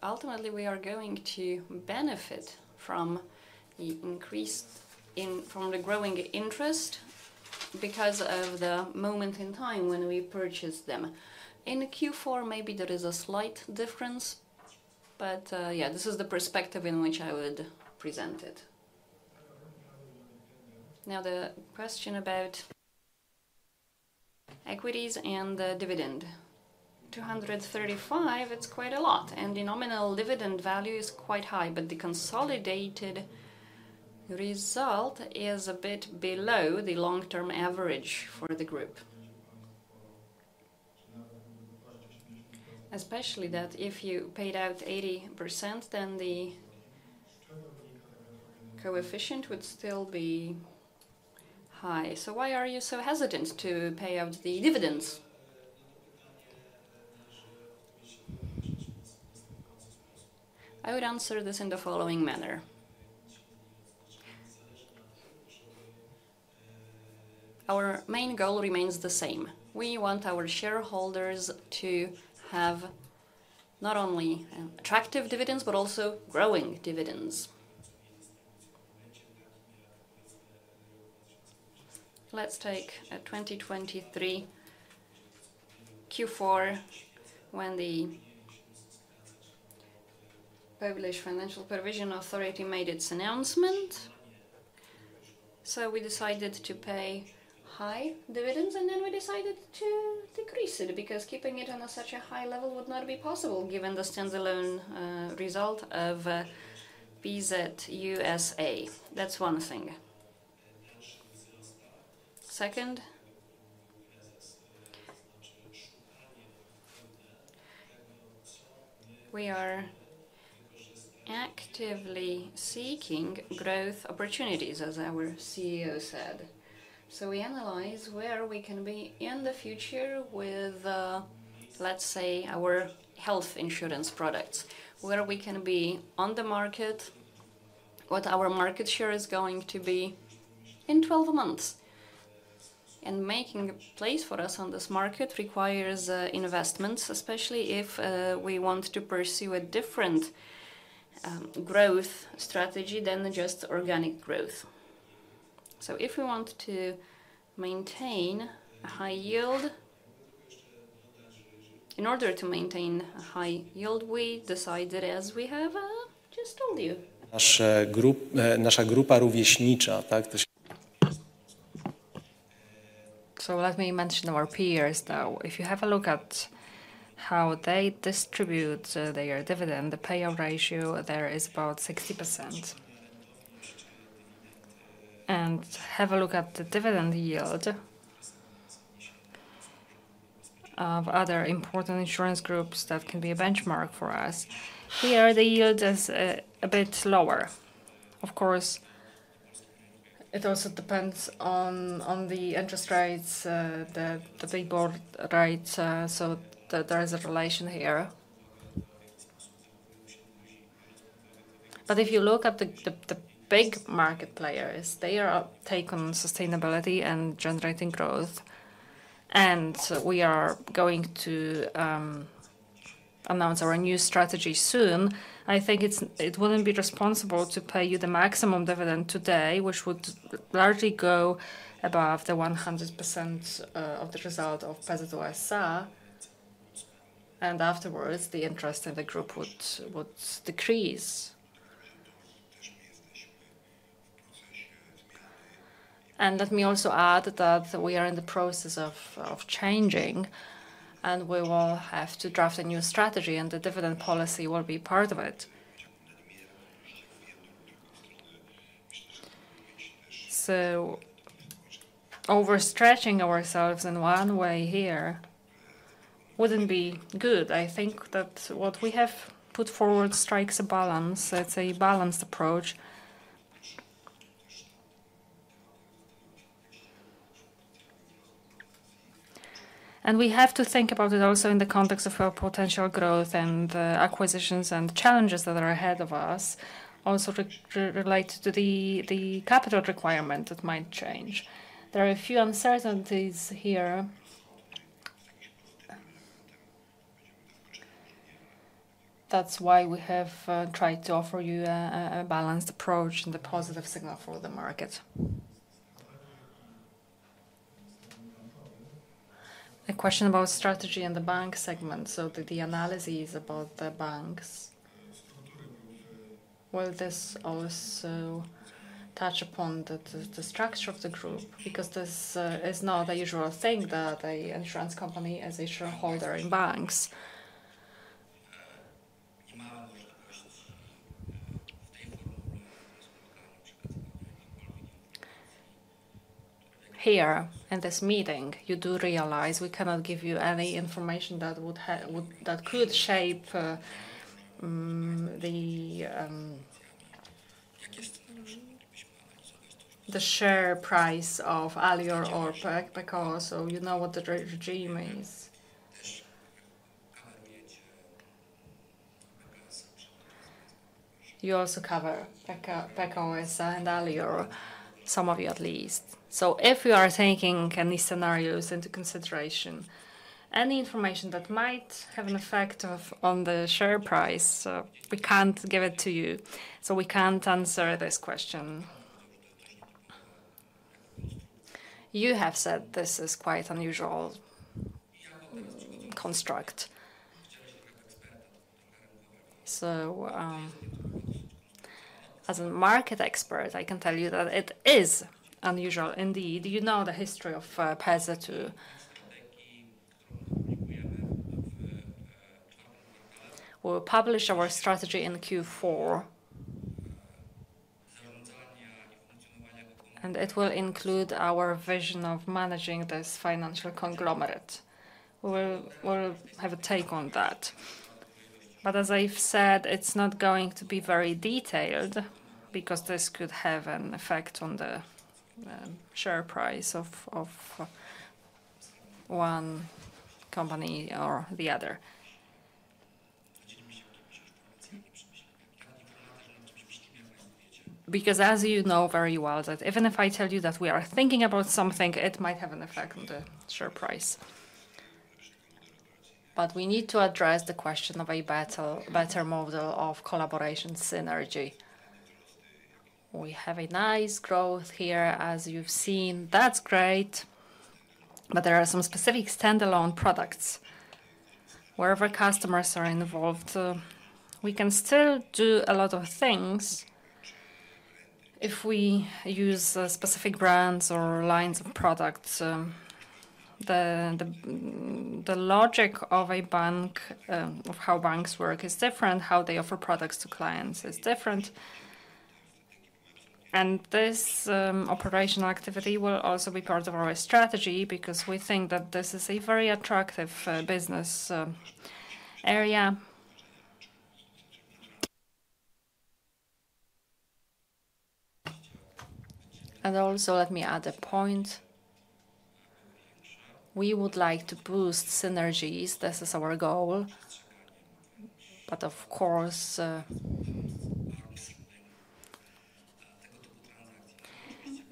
Ultimately, we are going to benefit from the growing interest because of the moment in time when we purchased them. In Q4, maybe there is a slight difference, but, yeah, this is the perspective in which I would present it. Now, the question about equities and the dividend. 235, it's quite a lot, and the nominal dividend value is quite high, but the consolidated result is a bit below the long-term average for the group. Especially that if you paid out 80%, then the coefficient would still be high. So why are you so hesitant to pay out the dividends? I would answer this in the following manner. Our main goal remains the same. We want our shareholders to have not only attractive dividends, but also growing dividends. Let's take 2023 Q4, when the Polish Financial Supervision Authority made its announcement. So we decided to pay high dividends, and then we decided to decrease it, because keeping it on such a high level would not be possible, given the standalone result of PZU S.A. That's one thing. Second, we are actively seeking growth opportunities, as our CEO said. So we analyze where we can be in the future with, let's say, our health insurance products, where we can be on the market, what our market share is going to be in 12 months. And making a place for us on this market requires, investments, especially if, we want to pursue a different, growth strategy than just organic growth. So if we want to maintain a high yield, in order to maintain a high yield, we decide that, as we have, just told you. Our group, our peer group, right? So let me mention our peers, though. If you have a look at how they distribute their dividend, the payout ratio there is about 60%. And have a look at the dividend yield of other important insurance groups that can be a benchmark for us. Here, the yield is a bit lower. Of course, it also depends on the interest rates, the big board rates, so there is a relation here. But if you look at the big market players, they are taking sustainability and generating growth, and we are going to announce our new strategy soon. I think it wouldn't be responsible to pay you the maximum dividend today, which would largely go above the 100% of the result of PZU S.A., and afterwards, the interest in the group would decrease. Let me also add that we are in the process of changing, and we will have to draft a new strategy, and the dividend policy will be part of it. So overstretching ourselves in one way here wouldn't be good. I think that what we have put forward strikes a balance. It's a balanced approach. We have to think about it also in the context of our potential growth and acquisitions and challenges that are ahead of us, also relate to the capital requirement that might change. There are a few uncertainties here. That's why we have tried to offer you a balanced approach and a positive signal for the market. A question about strategy in the bank segment, so the analyses about the banks. Will this also touch upon the structure of the group? Because this is not the usual thing that an insurance company has a shareholder in banks. Here, in this meeting, you do realize we cannot give you any information that would that could shape the share price of Alior or PKO, so you know what the regime is. You also cover PKO, PKO and Alior, some of you at least. So if you are taking any scenarios into consideration, any information that might have an effect of, on the share price, we can't give it to you, so we can't answer this question. You have said this is quite unusual construct. So, as a market expert, I can tell you that it is unusual indeed. You know the history of, PZU. We will publish our strategy in Q4, and it will include our vision of managing this financial conglomerate. We will, we will have a take on that. But as I've said, it's not going to be very detailed, because this could have an effect on the, share price of, of one company or the other. Because as you know very well, that even if I tell you that we are thinking about something, it might have an effect on the share price. But we need to address the question of a better, better model of collaboration synergy. We have a nice growth here, as you've seen. That's great, but there are some specific standalone products wherever customers are involved. We can still do a lot of things if we use specific brands or lines of products. The logic of a bank, of how banks work is different, how they offer products to clients is different. And this operational activity will also be part of our strategy because we think that this is a very attractive business area. And also, let me add a point. We would like to boost synergies. This is our goal. But of course,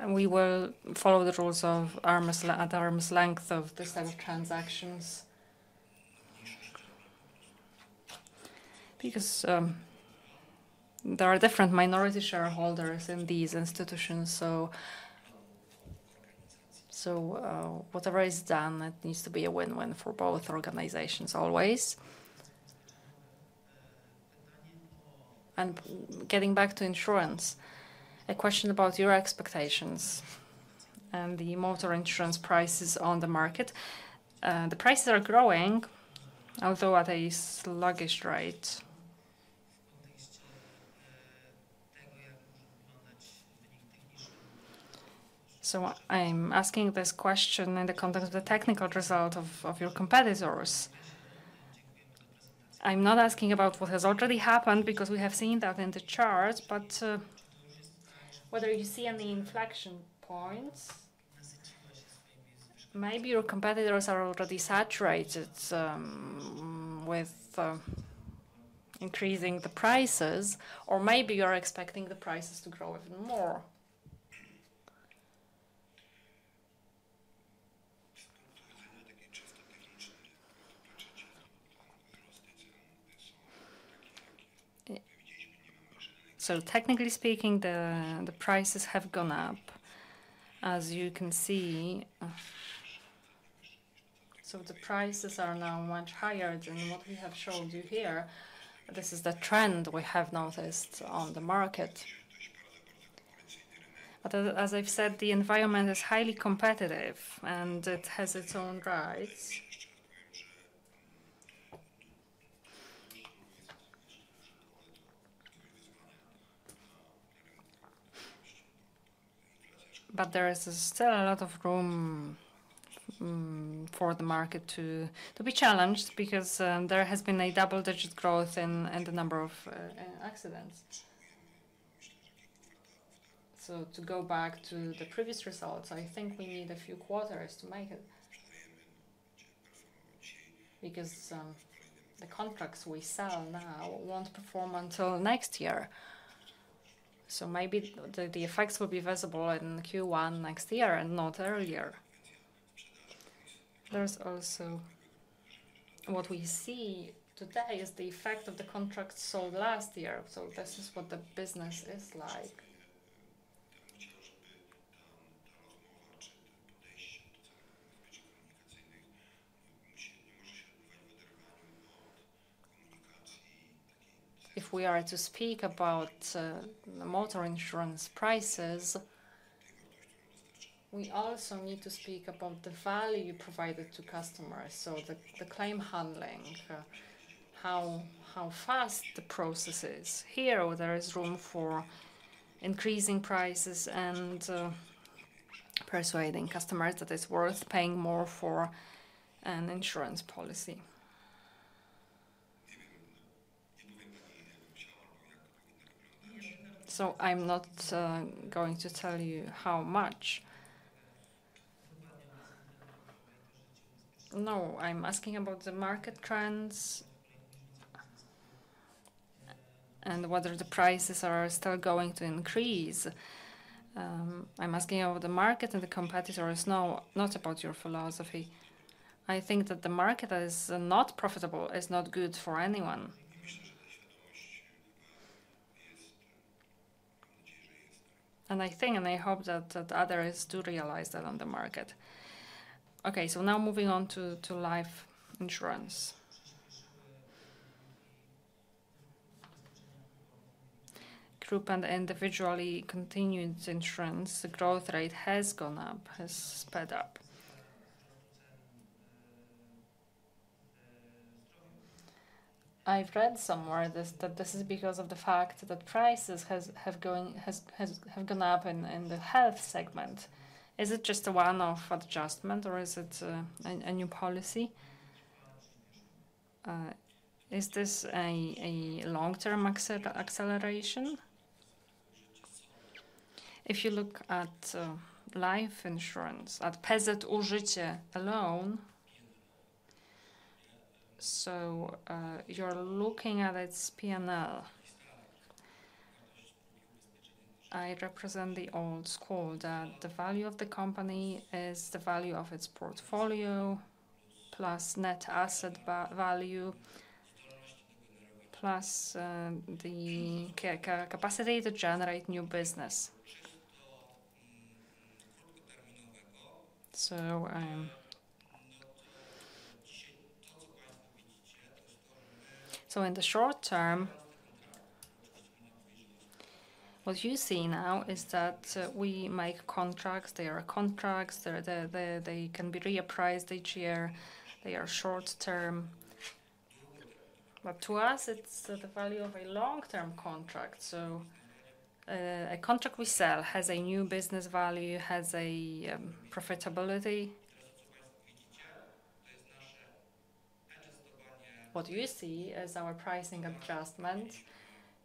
we will follow the rules of arm's length of this type of transactions. Because there are different minority shareholders in these institutions, so whatever is done, it needs to be a win-win for both organizations, always. Getting back to insurance, a question about your expectations and the motor insurance prices on the market. The prices are growing, although at a sluggish rate. So I'm asking this question in the context of the technical result of your competitors. I'm not asking about what has already happened, because we have seen that in the charts, but whether you see any inflection points, maybe your competitors are already saturated with increasing the prices, or maybe you are expecting the prices to grow even more. So technically speaking, the prices have gone up, as you can see. So the prices are now much higher than what we have shown you here. This is the trend we have noticed on the market. But as I've said, the environment is highly competitive, and it has its own rights. But there is still a lot of room for the market to be challenged, because there has been a double-digit growth in the number of accidents. So to go back to the previous results, I think we need a few quarters to make it. Because the contracts we sell now won't perform until next year. So maybe the effects will be visible in Q1 next year and not earlier. There's also. What we see today is the effect of the contracts sold last year, so this is what the business is like. If we are to speak about motor insurance prices, we also need to speak about the value provided to customers, so the claim handling, how fast the process is. Here, there is room for increasing prices and persuading customers that it's worth paying more for an insurance policy. So I'm not going to tell you how much. No, I'm asking about the market trends, and whether the prices are still going to increase. I'm asking about the market and the competitors, no, not about your philosophy. I think that the market that is not profitable is not good for anyone. And I think, and I hope that others do realize that on the market. Okay, so now moving on to life insurance. Group and individually continuing insurance, the growth rate has gone up, has sped up. I've read somewhere this, that this is because of the fact that prices have gone up in the health segment. Is it just a one-off adjustment or is it a new policy? Is this a long-term acceleration? If you look at life insurance, at PZU Życie alone, so you're looking at its P&L. I represent the old school, that the value of the company is the value of its portfolio, plus net asset value, plus the capacity to generate new business. So in the short term, what you see now is that we make contracts. They are contracts, they can be repriced each year, they are short term. But to us, it's the value of a long-term contract. So, a contract we sell has a new business value, has a profitability. What you see is our pricing adjustment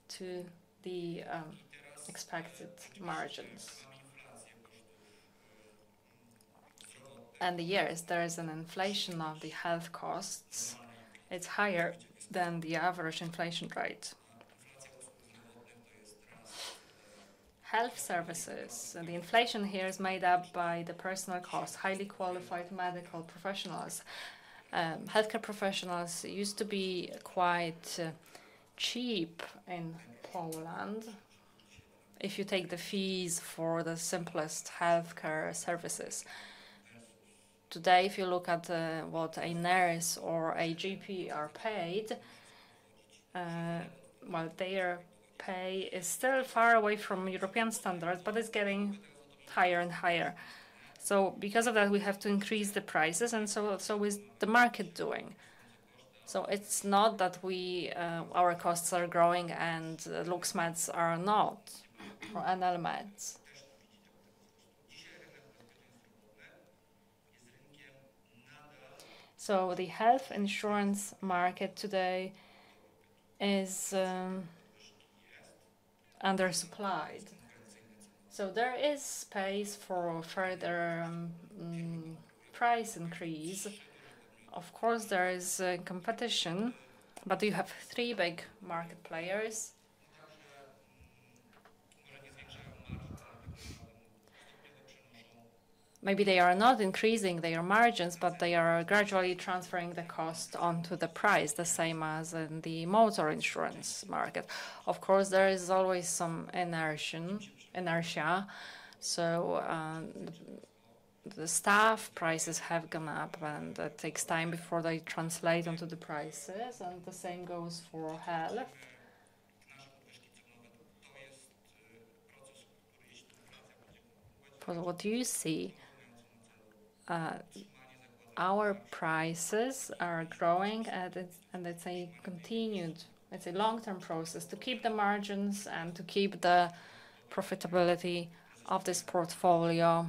to the expected margins. And the years, there is an inflation of the health costs. It's higher than the average inflation rate. Health services, and the inflation here is made up by the personal costs, highly qualified medical professionals. Healthcare professionals used to be quite cheap in Poland, if you take the fees for the simplest healthcare services. Today, if you look at what a nurse or a GP are paid, well, their pay is still far away from European standards, but it's getting higher and higher. So because of that, we have to increase the prices, and so, so is the market doing. So it's not that we, our costs are growing and Lux Med's are not, and element. So the health insurance market today is, under-supplied. So there is space for further, price increase. Of course, there is, competition, but you have three big market players. Maybe they are not increasing their margins, but they are gradually transferring the cost onto the price, the same as in the motor insurance market. Of course, there is always some inertia, inertia. So, the staff prices have gone up, and it takes time before they translate onto the prices, and the same goes for health. For what you see, our prices are growing, and it's, and it's a continued, it's a long-term process to keep the margins and to keep the profitability of this portfolio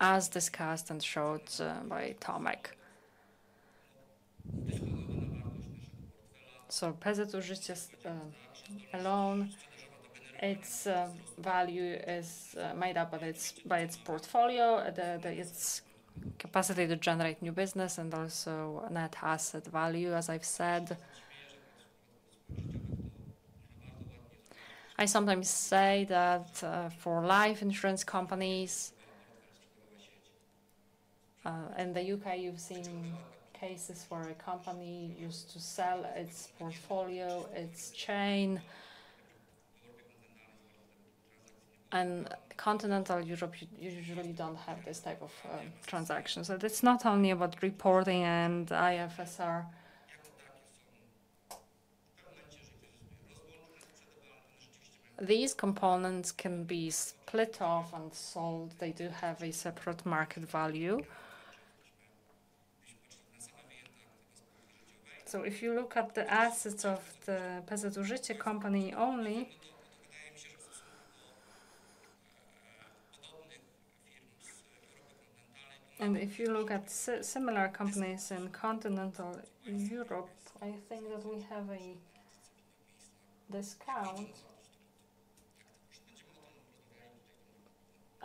as discussed and showed by Tomek. So PZU Życie alone, its value is made up by its, by its portfolio, the, the, its capacity to generate new business and also net asset value, as I've said. I sometimes say that for life insurance companies in the UK, you've seen cases where a company used to sell its portfolio, its chain. And continental Europe usually don't have this type of transaction. So it's not only about reporting and IFRS. These components can be split off and sold. They do have a separate market value. So if you look at the assets of the PZU Życie company only, and if you look at similar companies in continental Europe, I think that we have a discount.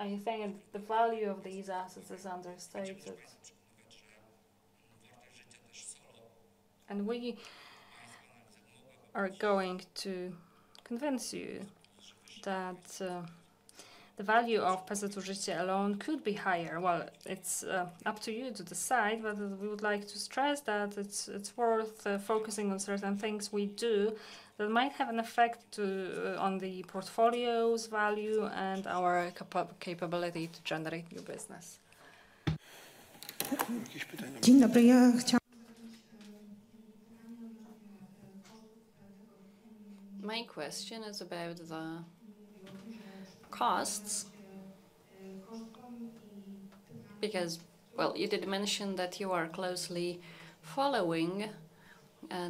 I think the value of these assets is understated. And we are going to convince you that the value of PZU Życie alone could be higher. Well, it's up to you to decide, but we would like to stress that it's, it's worth focusing on certain things we do that might have an effect to on the portfolio's value and our capability to generate new business. My question is about the costs. Because. Well, you did mention that you are closely following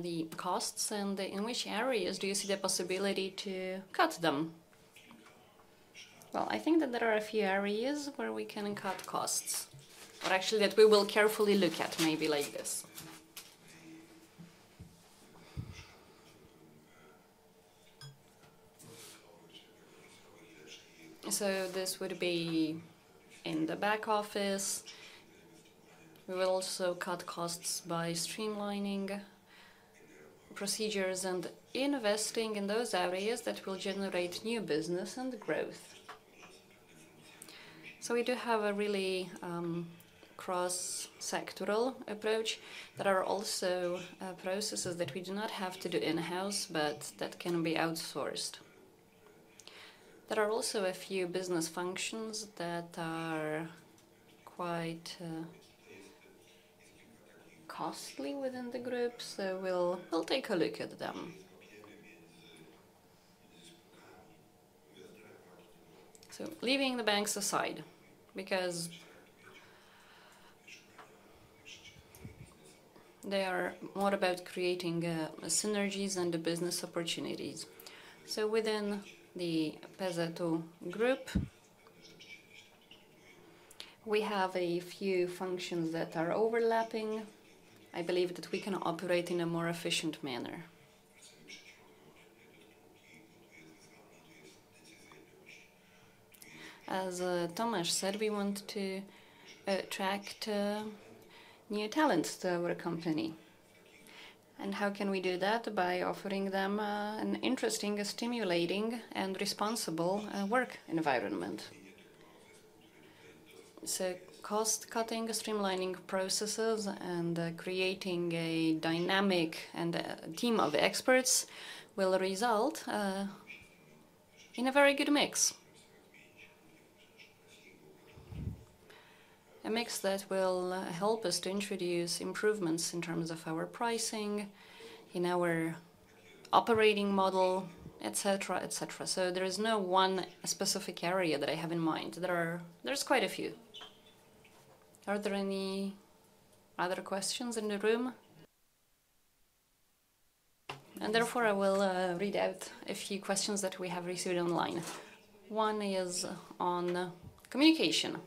the costs and in which areas do you see the possibility to cut them? Well, I think that there are a few areas where we can cut costs, but actually that we will carefully look at, maybe like this. So this would be in the back office. We will also cut costs by streamlining procedures and investing in those areas that will generate new business and growth. So we do have a really cross-sectoral approach. There are also processes that we do not have to do in-house, but that can be outsourced. There are also a few business functions that are quite costly within the group, so we'll take a look at them. So leaving the banks aside, because they are more about creating synergies and the business opportunities. So within the PZU Group, we have a few functions that are overlapping. I believe that we can operate in a more efficient manner. As Tomasz said, we want to attract new talents to our company. And how can we do that? By offering them an interesting, stimulating, and responsible work environment. So cost-cutting, streamlining processes, and creating a dynamic and a team of experts will result in a very good mix. A mix that will help us to introduce improvements in terms of our pricing, in our operating model, et cetera, et cetera. So there is no one specific area that I have in mind. There are. There's quite a few. Are there any other questions in the room? And therefore, I will read out a few questions that we have received online. One is on communication.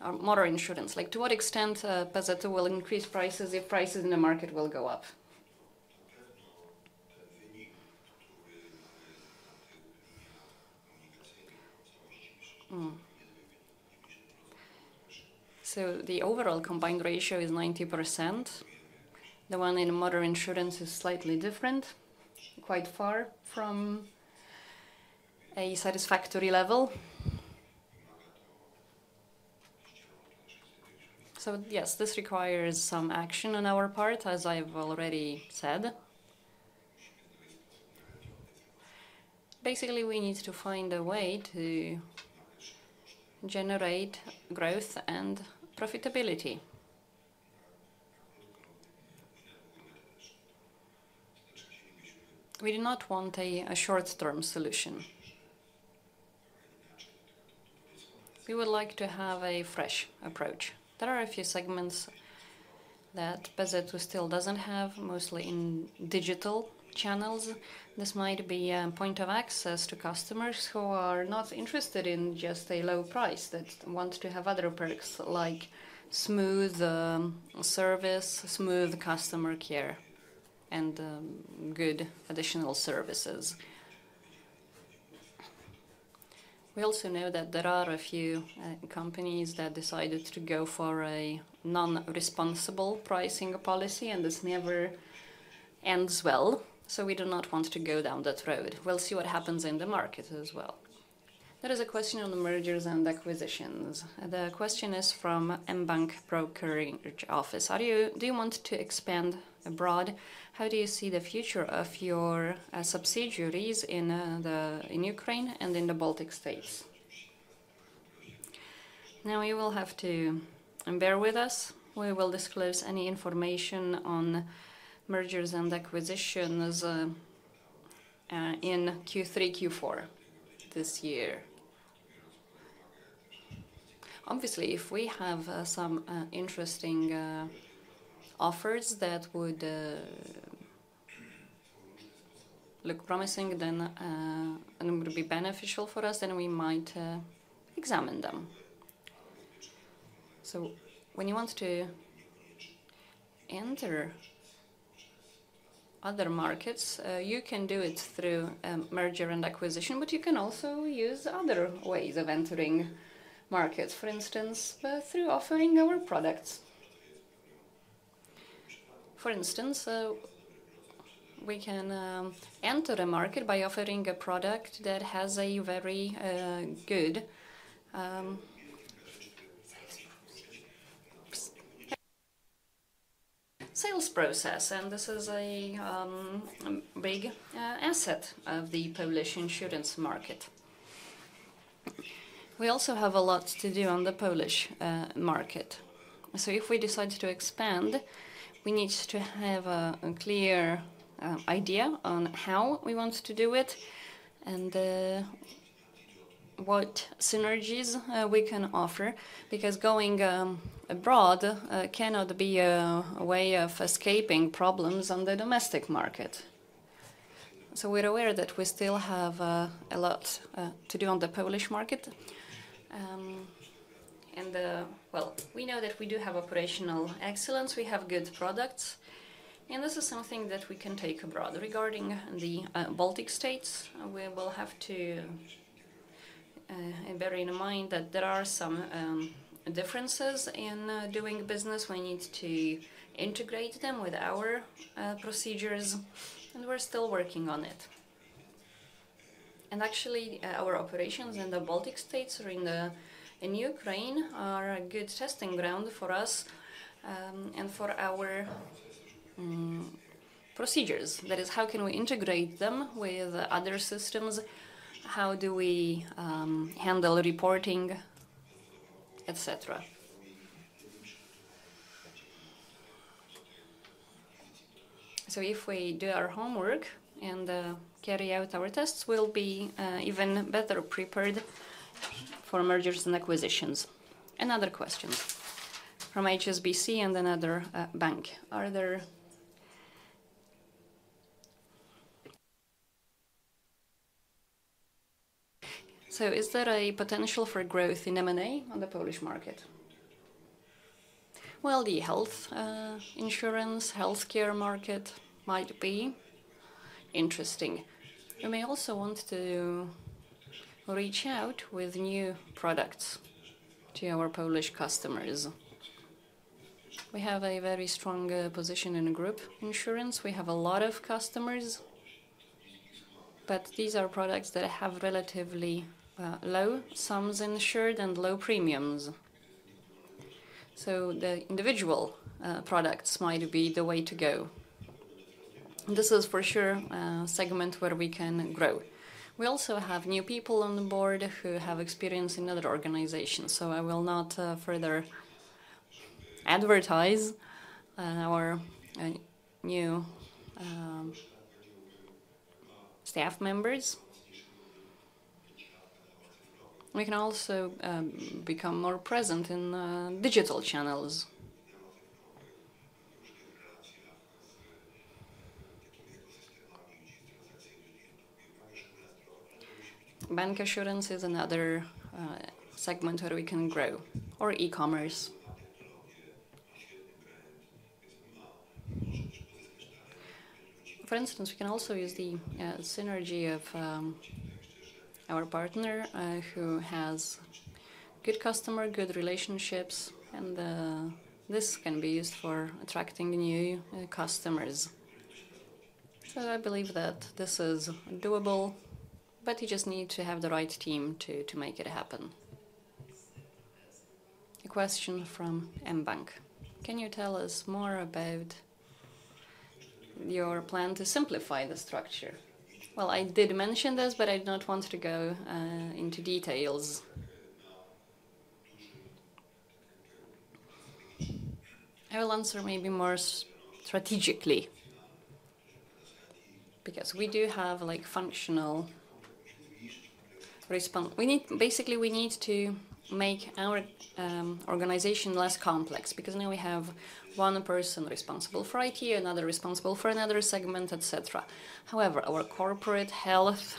Or actually, non-motor insurance. Like, to what extent PZU will increase prices if prices in the market will go up? Mm. So the overall combined ratio is 90%. The one in motor insurance is slightly different, quite far from a satisfactory level. So yes, this requires some action on our part, as I've already said. Basically, we need to find a way to generate growth and profitability. We do not want a, a short-term solution. We would like to have a fresh approach. There are a few segments that PZU still doesn't have, mostly in digital channels. This might be a point of access to customers who are not interested in just a low price, that wants to have other products like smooth service, smooth customer care, and good additional services. We also know that there are a few companies that decided to go for a non-responsible pricing policy, and this never ends well, so we do not want to go down that road. We'll see what happens in the market as well. There is a question on the mergers and acquisitions. The question is from mBank Brokerage Office: How do you want to expand abroad? How do you see the future of your subsidiaries in Ukraine and in the Baltic States? Now, you will have to bear with us. We will disclose any information on mergers and acquisitions in Q3, Q4 this year. Obviously, if we have some interesting offers that would look promising, then and would be beneficial for us, then we might examine them. So when you want to enter other markets, you can do it through merger and acquisition, but you can also use other ways of entering markets, for instance, through offering our products. For instance, we can enter the market by offering a product that has a very good sales process, sales process, and this is a big asset of the Polish insurance market. We also have a lot to do on the Polish market. So if we decide to expand, we need to have a clear idea on how we want to do it and what synergies we can offer, because going abroad cannot be a way of escaping problems on the domestic market. So we're aware that we still have a lot to do on the Polish market. And well, we know that we do have operational excellence, we have good products, and this is something that we can take abroad. Regarding the Baltic States, we will have to bear in mind that there are some differences in doing business. We need to integrate them with our procedures, and we're still working on it. Actually, our operations in the Baltic States or in the. in Ukraine are a good testing ground for us, and for our procedures. That is, how can we integrate them with other systems? How do we handle reporting, et cetera? So if we do our homework and carry out our tests, we'll be even better prepared for mergers and acquisitions. Another question from HSBC and another bank. Are there. So is there a potential for growth in M&A on the Polish market? Well, the health insurance healthcare market might be interesting. We may also want to reach out with new products to our Polish customers. We have a very strong position in group insurance. We have a lot of customers, but these are products that have relatively low sums insured and low premiums. So the individual products might be the way to go. This is for sure a segment where we can grow. We also have new people on the board who have experience in other organizations, so I will not further advertise our new staff members. We can also become more present in digital channels. Bancassurance is another segment where we can grow, or e-commerce. For instance, we can also use the synergy of our partner who has good customer, good relationships, and this can be used for attracting new customers. So I believe that this is doable, but you just need to have the right team to make it happen. A question from mBank: Can you tell us more about your plan to simplify the structure? Well, I did mention this, but I do not want to go into details. I will answer maybe more strategically, because we do have, like, functional response. Basically, we need to make our organization less complex, because now we have one person responsible for IT, another responsible for another segment, et cetera. However, our corporate health,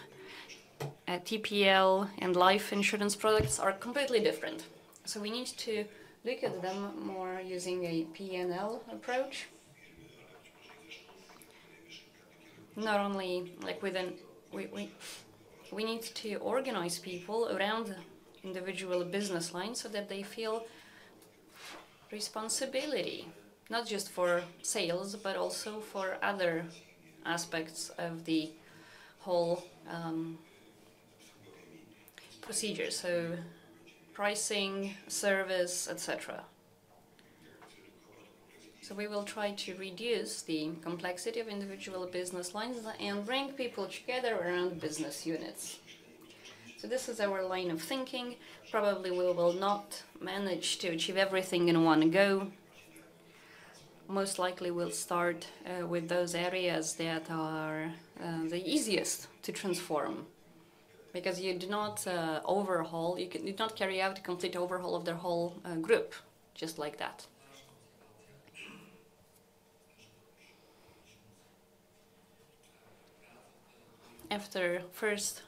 TPL, and life insurance products are completely different. So we need to look at them more using a P&L approach. Not only within—we need to organize people around individual business lines so that they feel responsibility, not just for sales, but also for other aspects of the whole procedure, so pricing, service, et cetera. So we will try to reduce the complexity of individual business lines and bring people together around business units. So this is our line of thinking. Probably, we will not manage to achieve everything in one go. Most likely, we'll start with those areas that are the easiest to transform, because you do not overhaul. You do not carry out a complete overhaul of the whole group, just like that. After first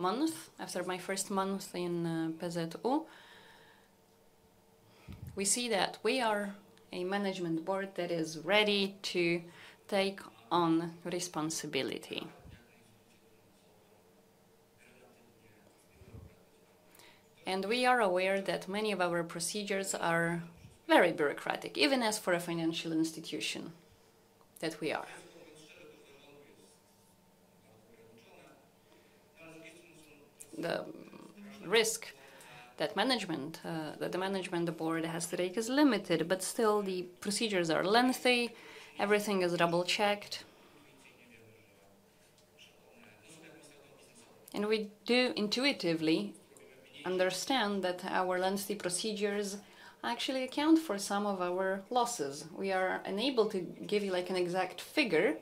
month, after my first month in PZU, we see that we are a management board that is ready to take on responsibility. We are aware that many of our procedures are very bureaucratic, even as for a financial institution that we are. The risk that management, that the management board has to take is limited, but still the procedures are lengthy, everything is double-checked. We do intuitively understand that our lengthy procedures actually account for some of our losses. We are unable to give you, like, an exact figure,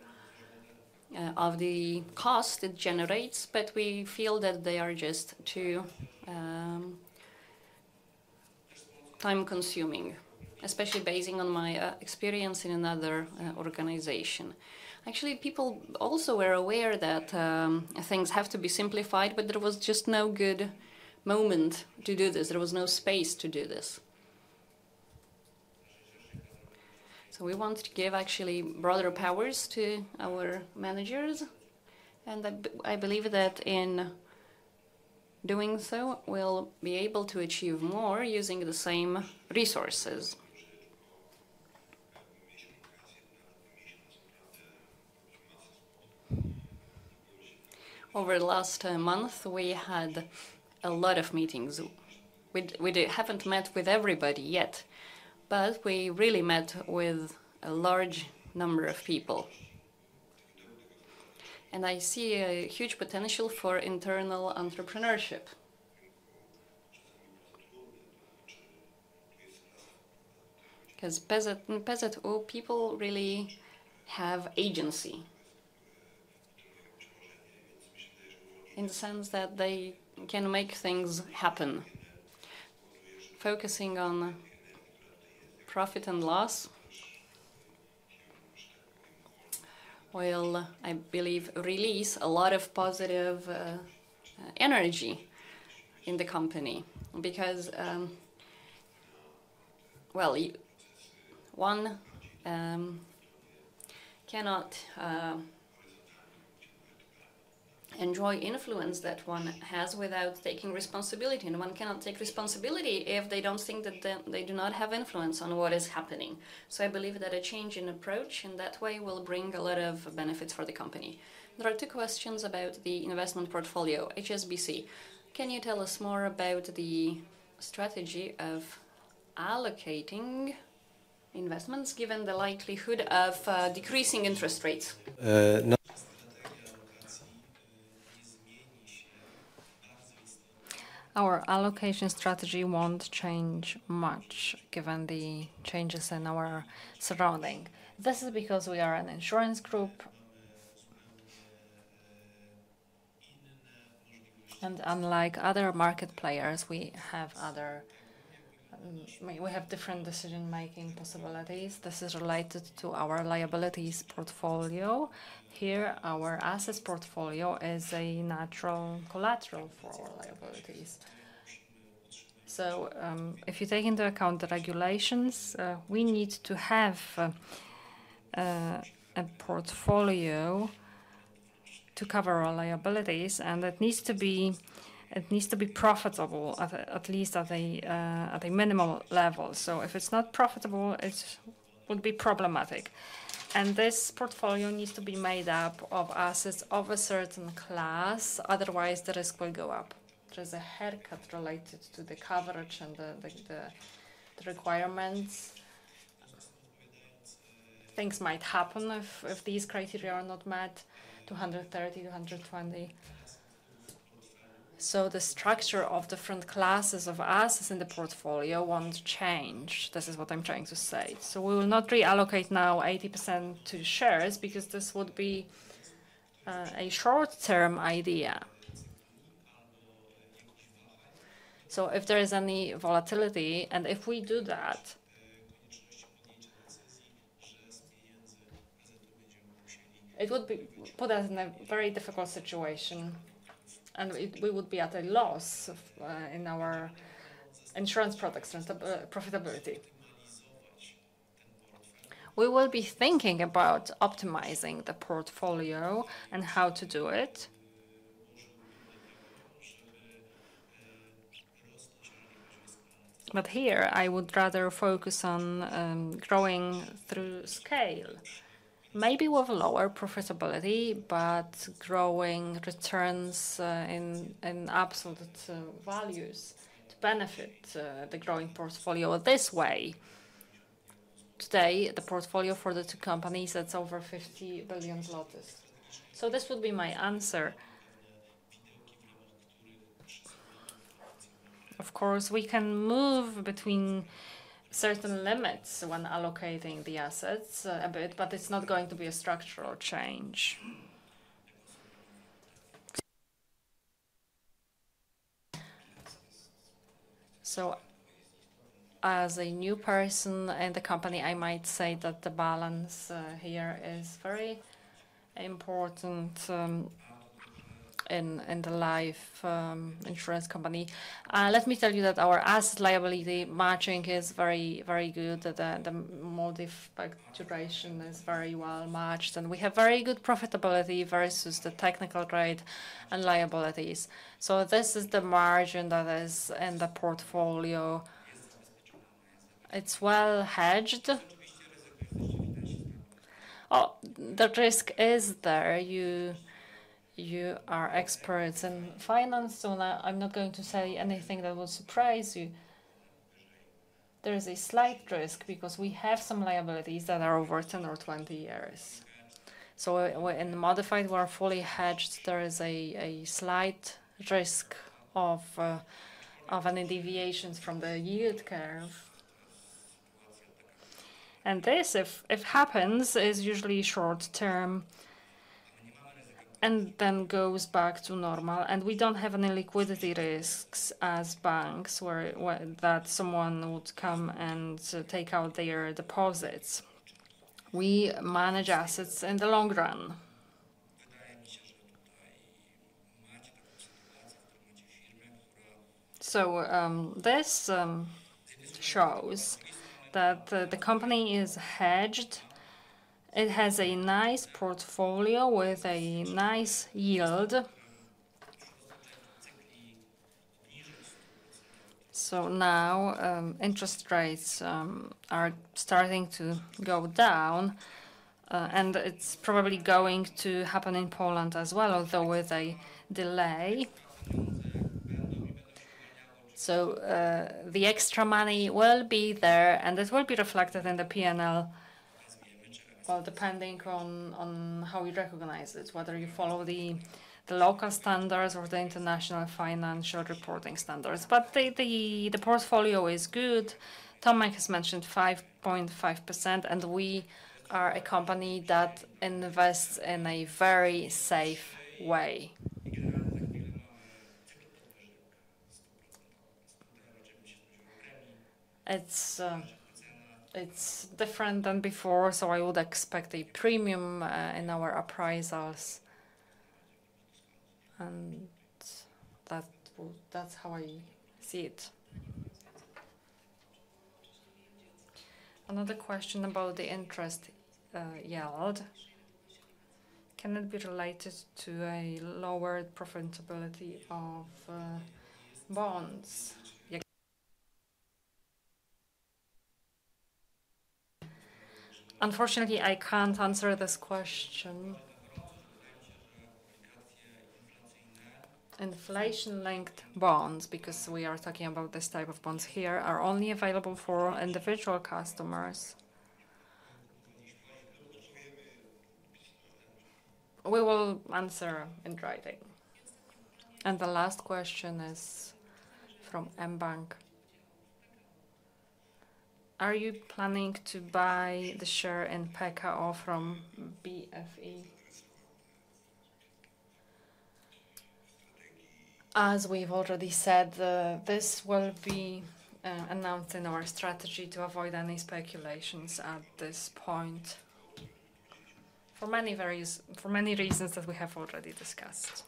of the cost it generates, but we feel that they are just too, time-consuming, especially basing on my, experience in another, organization. Actually, people also were aware that, things have to be simplified, but there was just no good moment to do this. There was no space to do this. So we want to give actually broader powers to our managers, and that, I believe that in doing so, we'll be able to achieve more using the same resources. Over the last month, we had a lot of meetings. We haven't met with everybody yet, but we really met with a large number of people. And I see a huge potential for internal entrepreneurship. 'Cause PZU, in PZU, people really have agency in the sense that they can make things happen. Focusing on profit and loss, will, I believe, release a lot of positive energy in the company. Because, well, you one cannot enjoy influence that one has without taking responsibility, and one cannot take responsibility if they don't think that they, they do not have influence on what is happening. So I believe that a change in approach in that way will bring a lot of benefits for the company. There are two questions about the investment portfolio. HSBC Can you tell us more about the strategy of allocating investments given the likelihood of decreasing interest rates? Uh, no. Our allocation strategy won't change much given the changes in our surrounding. This is because we are an insurance group, and unlike other market players, we have other, we have different decision-making possibilities. This is related to our liabilities portfolio. Here, our assets portfolio is a natural collateral for our liabilities. So, if you take into account the regulations, we need to have, a portfolio- to cover our liabilities, and it needs to be profitable at least at a minimal level. So if it's not profitable, it would be problematic. And this portfolio needs to be made up of assets of a certain class, otherwise the risk will go up. There is a haircut related to the coverage and the requirements. Things might happen if these criteria are not met, 230, 220. So the structure of different classes of assets in the portfolio won't change. This is what I'm trying to say. So we will not reallocate now 80% to shares, because this would be a short-term idea. So if there is any volatility, and if we do that, it would put us in a very difficult situation, and we would be at a loss of in our insurance products and the profitability. We will be thinking about optimizing the portfolio and how to do it. But here I would rather focus on growing through scale. Maybe with lower profitability, but growing returns in absolute values to benefit the growing portfolio this way. Today, the portfolio for the two companies, that's over 50 billion. So this would be my answer. Of course, we can move between certain limits when allocating the assets a bit, but it's not going to be a structural change. So as a new person in the company, I might say that the balance here is very important in the life insurance company. Let me tell you that our asset liability matching is very, very good. The duration is very well matched, and we have very good profitability versus the technical rate and liabilities. So this is the margin that is in the portfolio. It's well hedged. Oh, the risk is there. You are experts in finance, so now I'm not going to say anything that will surprise you. There is a slight risk because we have some liabilities that are over 10 or 20 years. So in the duration, we are fully hedged. There is a slight risk of any deviations from the yield curve. This, if it happens, is usually short-term and then goes back to normal, and we don't have any liquidity risks as banks, where that someone would come and take out their deposits. We manage assets in the long run. So, this shows that the company is hedged. It has a nice portfolio with a nice yield. So now, interest rates are starting to go down, and it's probably going to happen in Poland as well, although with a delay. So, the extra money will be there, and this will be reflected in the P&L. Well, depending on how you recognize it, whether you follow the local standards or the international financial reporting standards. But the portfolio is good. Tomek has mentioned 5.5%, and we are a company that invests in a very safe way. It's, it's different than before, so I would expect a premium, in our appraisals, and that would that's how I see it. Another question about the interest yield. Can it be related to a lower profitability of bonds? Yeah. Unfortunately, I can't answer this question. Inflation-linked bonds, because we are talking about this type of bonds here, are only available for individual customers. We will answer in writing. And the last question is from mBank: Are you planning to buy the share in PKO from PFR? As we've already said, this will be announced in our strategy to avoid any speculations at this point, for many various—for many reasons that we have already discussed.